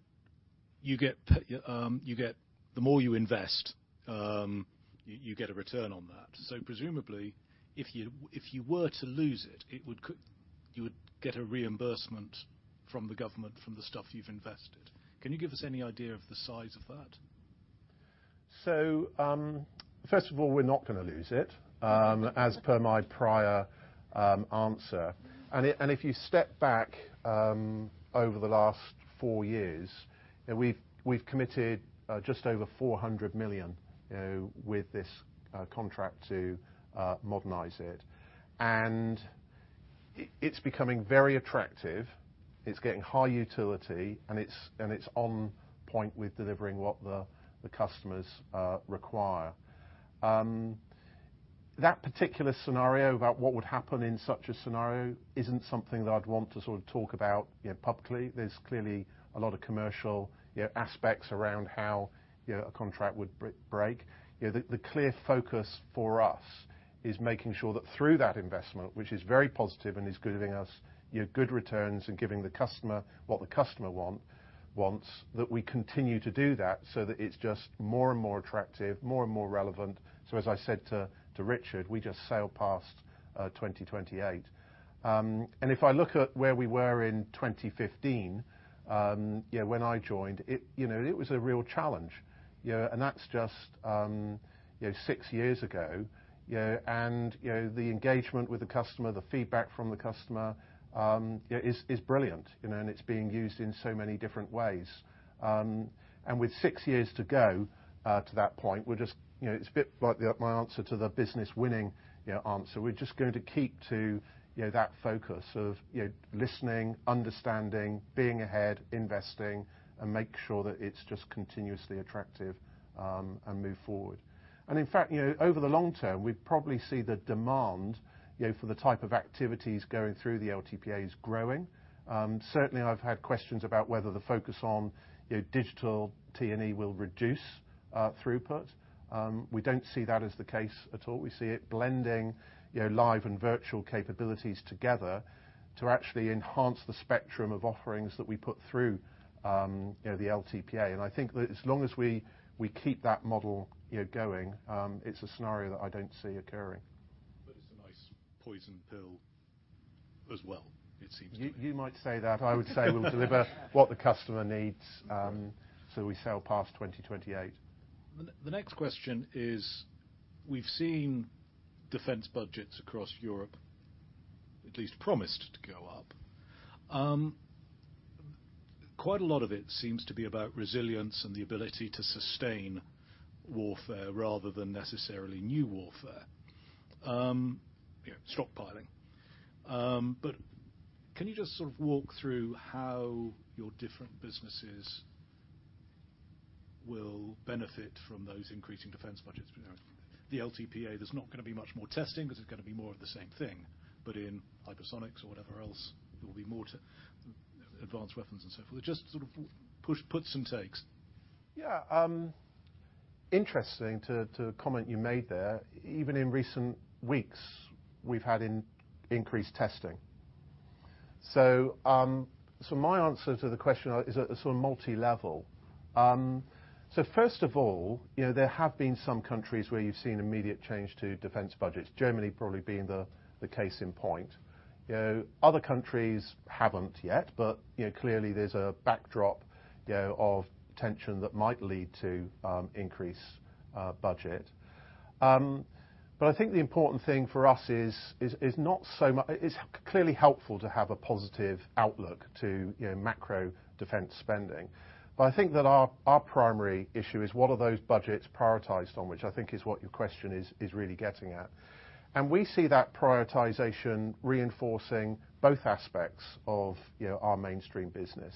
the more you invest, you get a return on that. Presumably, if you were to lose it, you would get a reimbursement from the government, from the stuff you've invested. Can you give us any idea of the size of that? First of all, we're not gonna lose it, as per my prior answer. If you step back over the last four years, we've committed just over 400 million, you know, with this contract to modernize it. It's becoming very attractive. It's getting high utility, and it's on point with delivering what the customers require. That particular scenario about what would happen in such a scenario isn't something that I'd want to sort of talk about, you know, publicly. There's clearly a lot of commercial, you know, aspects around how, you know, a contract would break. You know, the clear focus for us is making sure that through that investment, which is very positive and is giving us, you know, good returns and giving the customer what the customer wants, that we continue to do that so that it's just more and more attractive, more and more relevant. As I said to Richard, we just sailed past 2028. If I look at where we were in 2015, you know, when I joined, it, you know, it was a real challenge, you know. That's just, you know, six years ago, you know. The engagement with the customer, the feedback from the customer, you know, is brilliant, you know. It's being used in so many different ways. With six years to go, to that point, we're just, you know, it's a bit like the, my answer to the business winning, you know, answer. We're just going to keep to, you know, that focus of, you know, listening, understanding, being ahead, investing, and make sure that it's just continuously attractive, and move forward. In fact, you know, over the long term, we probably see the demand, you know, for the type of activities going through the LTPA is growing. Certainly I've had questions about whether the focus on, you know, digital T&E will reduce throughput. We don't see that as the case at all. We see it blending, you know, live and virtual capabilities together to actually enhance the spectrum of offerings that we put through, you know, the LTPA. I think that as long as we keep that model, you know, going, it's a scenario that I don't see occurring. It's a nice poison pill as well, it seems to me. You might say that. I would say we'll deliver what the customer needs, so we sail past 2028. The next question is, we've seen defense budgets across Europe at least promised to go up. Quite a lot of it seems to be about resilience and the ability to sustain warfare rather than necessarily new warfare. You know, stockpiling. Can you just sort of walk through how your different businesses will benefit from those increasing defense budgets? You know, the LTPA, there's not gonna be much more testing because it's gonna be more of the same thing. In hypersonics or whatever else, there will be more to advanced weapons and so forth. Just sort of pushes and takes. Yeah. Interesting to a comment you made there. Even in recent weeks, we've had increased testing. My answer to the question is a sort of multilevel. First of all, you know, there have been some countries where you've seen immediate change to defense budgets, Germany probably being the case in point. You know, other countries haven't yet, but, you know, clearly there's a backdrop, you know, of tension that might lead to increased budget. I think the important thing for us is it's clearly helpful to have a positive outlook to, you know, macro defense spending. I think that our primary issue is what are those budgets prioritized on, which I think is what your question is really getting at. We see that prioritization reinforcing both aspects of, you know, our mainstream business.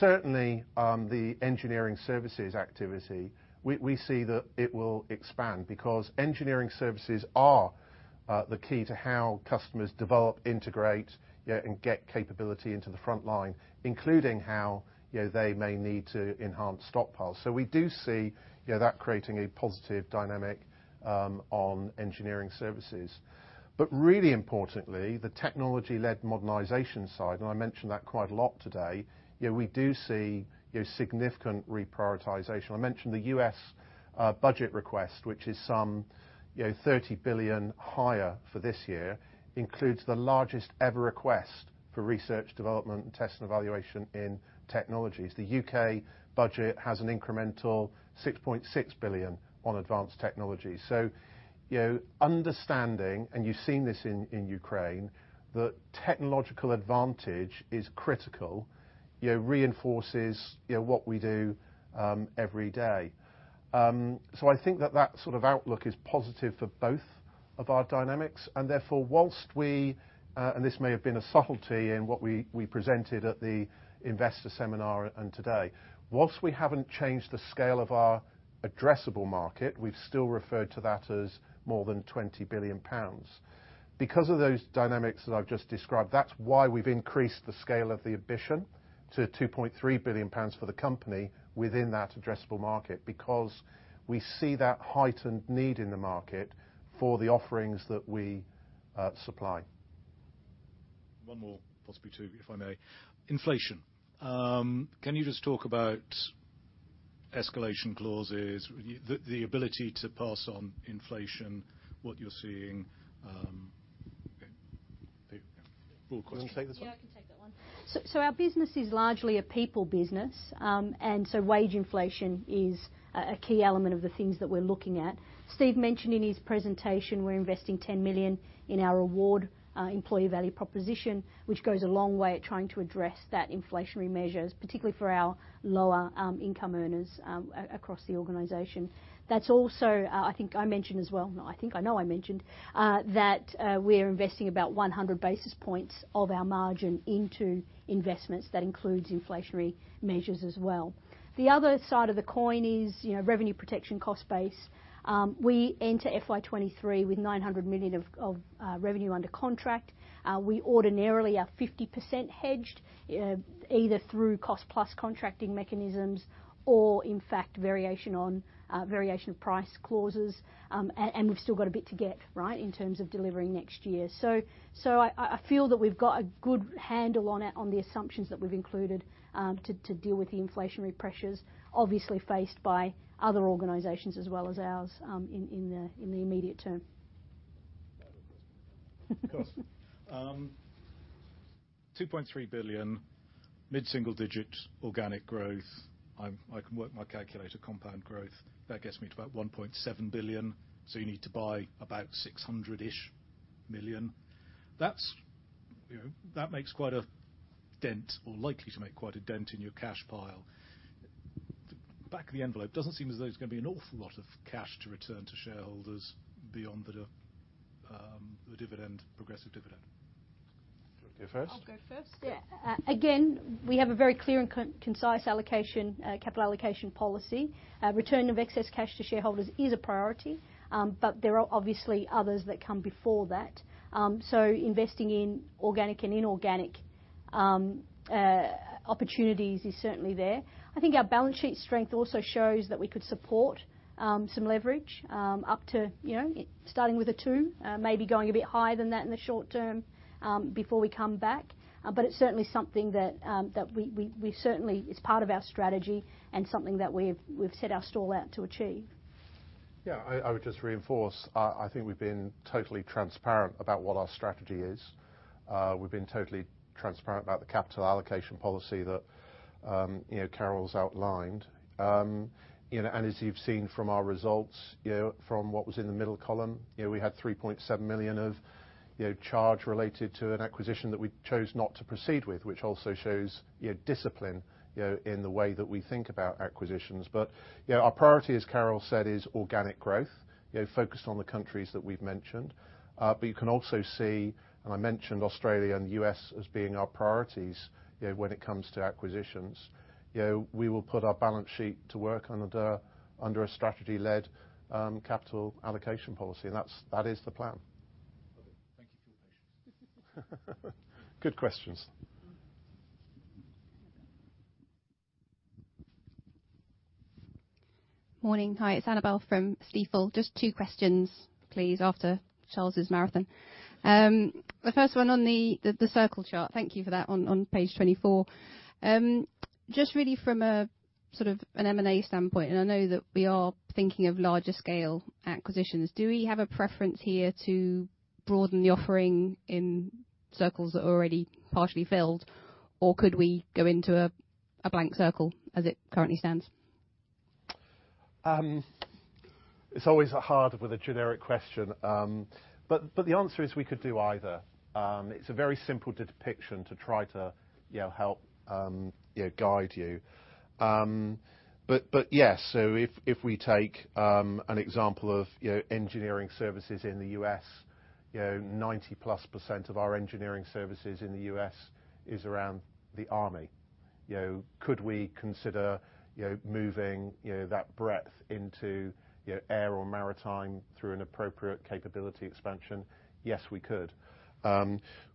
Certainly, the engineering services activity, we see that it will expand because engineering services are the key to how customers develop, integrate, you know, and get capability into the front line, including how, you know, they may need to enhance stockpiles. We do see, you know, that creating a positive dynamic on engineering services. Really importantly, the technology-led modernization side, and I mentioned that quite a lot today, you know, we do see, you know, significant reprioritization. I mentioned the U.S., you know, $30 billion higher for this year, includes the largest ever request for research development and test and evaluation in technologies. The U.K. budget has an incremental 6.6 billion on advanced technology. You know, understanding, and you've seen this in Ukraine, that technological advantage is critical, you know, reinforces, you know, what we do every day. I think that sort of outlook is positive for both of our dynamics, and therefore, whilst we, and this may have been a subtlety in what we presented at the investor seminar and today, whilst we haven't changed the scale of our addressable market, we've still referred to that as more than 20 billion pounds. Because of those dynamics that I've just described, that's why we've increased the scale of the ambition to 2.3 billion pounds for the company within that addressable market, because we see that heightened need in the market for the offerings that we supply. One more, possibly two, if I may. Inflation. Can you just talk about escalation clauses, the ability to pass on inflation, what you're seeing? Do you want to take this one? I can take that one. Our business is largely a people business. Wage inflation is a key element of the things that we're looking at. Steve mentioned in his presentation, we're investing 10 million in our award employee value proposition, which goes a long way at trying to address that inflationary measures, particularly for our lower income earners across the organization. That's also, I think I mentioned as well, I think I know I mentioned, that we're investing about 100 basis points of our margin into investments that includes inflationary measures as well. The other side of the coin is, you know, revenue protection cost base. We enter FY 2023 with 900 million of revenue under contract. We ordinarily are 50% hedged, either through cost plus contracting mechanisms or in fact variation of price clauses. We've still got a bit to get, right, in terms of delivering next year. I feel that we've got a good handle on it, on the assumptions that we've included, to deal with the inflationary pressures, obviously faced by other organizations as well as ours, in the immediate term. Of course. 2.3 billion, mid-single digit organic growth. I can work my calculator compound growth. That gets me to about 1.7 billion. You need to buy about 600-ish million. That's, you know, that makes quite a dent or likely to make quite a dent in your cash pile. Back of the envelope, doesn't seem as though there's gonna be an awful lot of cash to return to shareholders beyond the dividend, progressive dividend. Do you want to go first? I'll go first. Yeah. Again, we have a very clear and concise capital allocation policy. Return of excess cash to shareholders is a priority, but there are obviously others that come before that. Investing in organic and inorganic opportunities is certainly there. I think our balance sheet strength also shows that we could support some leverage up to, you know, starting with a two, maybe going a bit higher than that in the short term, before we come back. It's certainly something that we certainly, it's part of our strategy and something that we've set our stall out to achieve. Yeah, I would just reinforce. I think we've been totally transparent about what our strategy is. We've been totally transparent about the capital allocation policy that you know, Carol's outlined. You know, and as you've seen from our results, you know, from what was in the middle column, you know, we had 3.7 million of charge related to an acquisition that we chose not to proceed with, which also shows, you know, discipline, you know, in the way that we think about acquisitions. Our priority, as Carol said, is organic growth, you know, focused on the countries that we've mentioned. You can also see, and I mentioned Australia and U.S. as being our priorities, you know, when it comes to acquisitions. You know, we will put our balance sheet to work under a strategy-led capital allocation policy. That is the plan. Good questions. Morning. Hi, it's Annabel from Stifel. Just two questions please, after Charles' marathon. The first one on the circle chart. Thank you for that on page 24. Just really from a sort of an M&A standpoint, and I know that we are thinking of larger scale acquisitions. Do we have a preference here to broaden the offering in circles that are already partially filled? Or could we go into a blank circle as it currently stands? It's always hard with a generic question. But the answer is, we could do either. It's a very simple depiction to try to, you know, help, you know, guide you. But yes. If we take an example of, you know, engineering services in the U.S., you know, 90+% of our engineering services in the U.S. is around the Army. You know, could we consider, you know, moving, you know, that breadth into, you know, air or maritime through an appropriate capability expansion? Yes, we could.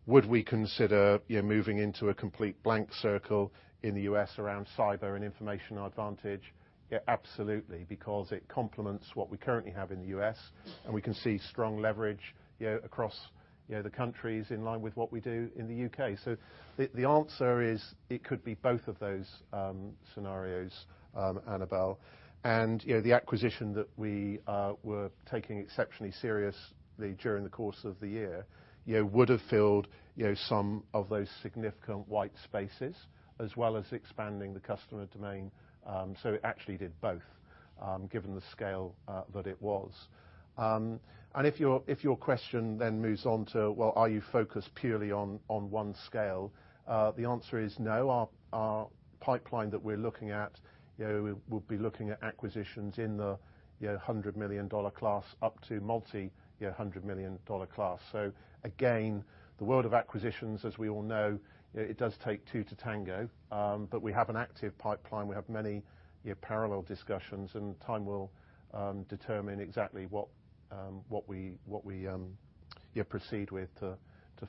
Would we consider, you know, moving into a complete blank circle in the U.S. around cyber and information advantage? Yeah, absolutely, because it complements what we currently have in the U.S., and we can see strong leverage, you know, across, you know, the countries in line with what we do in the U.K. The answer is, it could be both of those scenarios, Annabel. You know, the acquisition that we were taking exceptionally seriously during the course of the year, you know, would've filled, you know, some of those significant white spaces as well as expanding the customer domain. It actually did both, given the scale that it was. If your question then moves on to, well, are you focused purely on one scale? The answer is no. Our pipeline that we're looking at, you know, we'll be looking at acquisitions in the, you know, $100 million class up to multi-hundred million dollar class. Again, the world of acquisitions, as we all know, you know, it does take two to tango. We have an active pipeline. We have many, you know, parallel discussions, and time will determine exactly what we proceed with to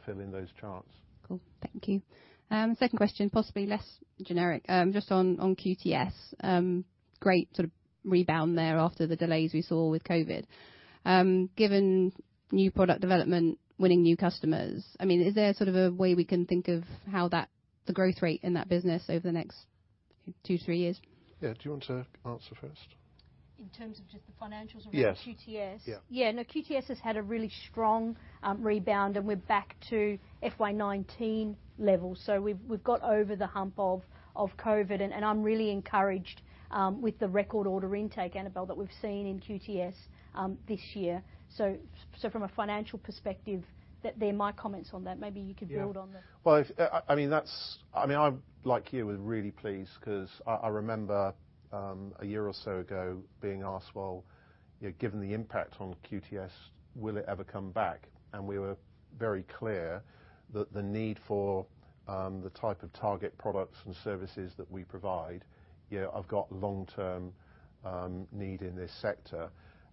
fill in those charts. Cool. Thank you. Second question, possibly less generic. Just on QTS. Great sort of rebound there after the delays we saw with COVID. Given new product development, winning new customers, I mean, is there sort of a way we can think of how that the growth rate in that business over the next two, three years? Yeah. Do you want to answer first? In terms of just the financials- Yes around QTS? Yeah. Yeah, no, QTS has had a really strong rebound, and we're back to FY 2019 levels. We've got over the hump of COVID, and I'm really encouraged with the record order intake, Annabel, that we've seen in QTS this year. From a financial perspective, they're my comments on that. Maybe you could build on them. Yeah. Well, I mean, like you, I was really pleased 'cause I remember a year or so ago being asked, "Well, you know, given the impact on QTS, will it ever come back?" We were very clear that the need for the type of target products and services that we provide, you know, have got long-term need in this sector.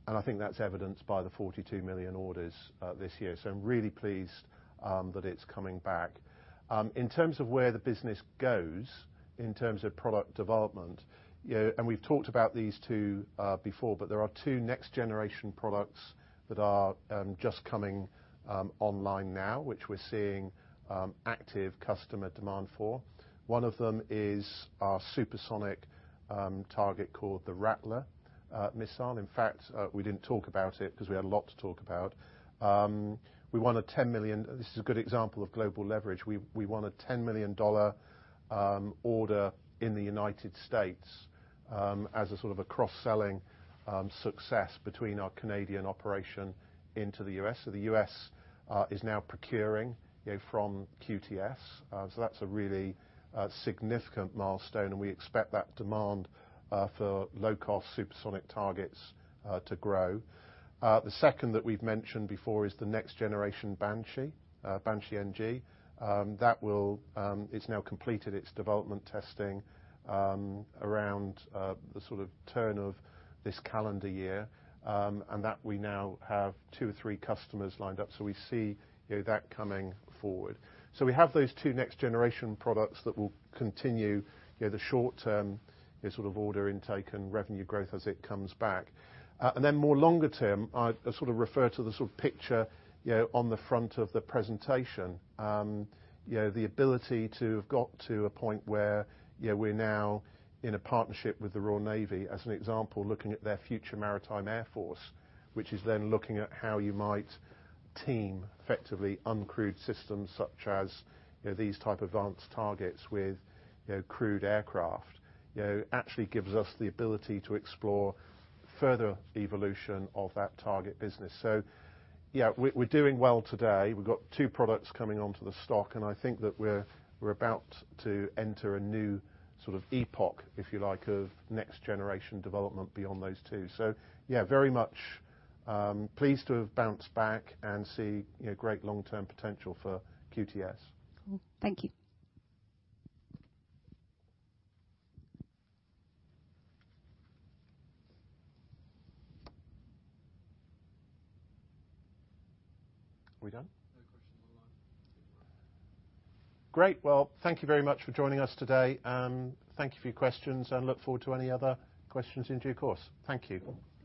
I think that's evidenced by the 42 million orders this year. I'm really pleased that it's coming back. In terms of where the business goes in terms of product development, you know, and we've talked about these two before, but there are two next-generation products that are just coming online now, which we're seeing active customer demand for. One of them is our supersonic target called the Rattler missile. In fact, we didn't talk about it 'cause we had a lot to talk about. This is a good example of global leverage. We won a $10 million order in the United States as a sort of a cross-selling success between our Canadian operation into the U.S. The U.S. is now procuring, you know, from QTS. That's a really significant milestone, and we expect that demand for low-cost supersonic targets to grow. The second that we've mentioned before is the next generation Banshee NG. It's now completed its development testing around the sort of turn of this calendar year. that we now have two or three customers lined up. We see, you know, that coming forward. We have those two next-generation products that will continue, you know, the short-term, you know, sort of order intake and revenue growth as it comes back. Then more longer term, I sort of refer to the sort of picture, you know, on the front of the presentation. You know, the ability to have got to a point where, you know, we're now in a partnership with the Royal Navy, as an example, looking at their future maritime air force, which is then looking at how you might team effectively uncrewed systems such as, you know, these type of advanced targets with, you know, crewed aircraft. You know, it actually gives us the ability to explore further evolution of that target business. Yeah, we're doing well today. We've got two products coming onto the stock, and I think that we're about to enter a new sort of epoch, if you like, of next generation development beyond those two. Yeah, very much pleased to have bounced back and see, you know, great long-term potential for QTS. Cool. Thank you. Are we done? No questions online. Great. Well, thank you very much for joining us today. Thank you for your questions, and look forward to any other questions in due course. Thank you. Thank you.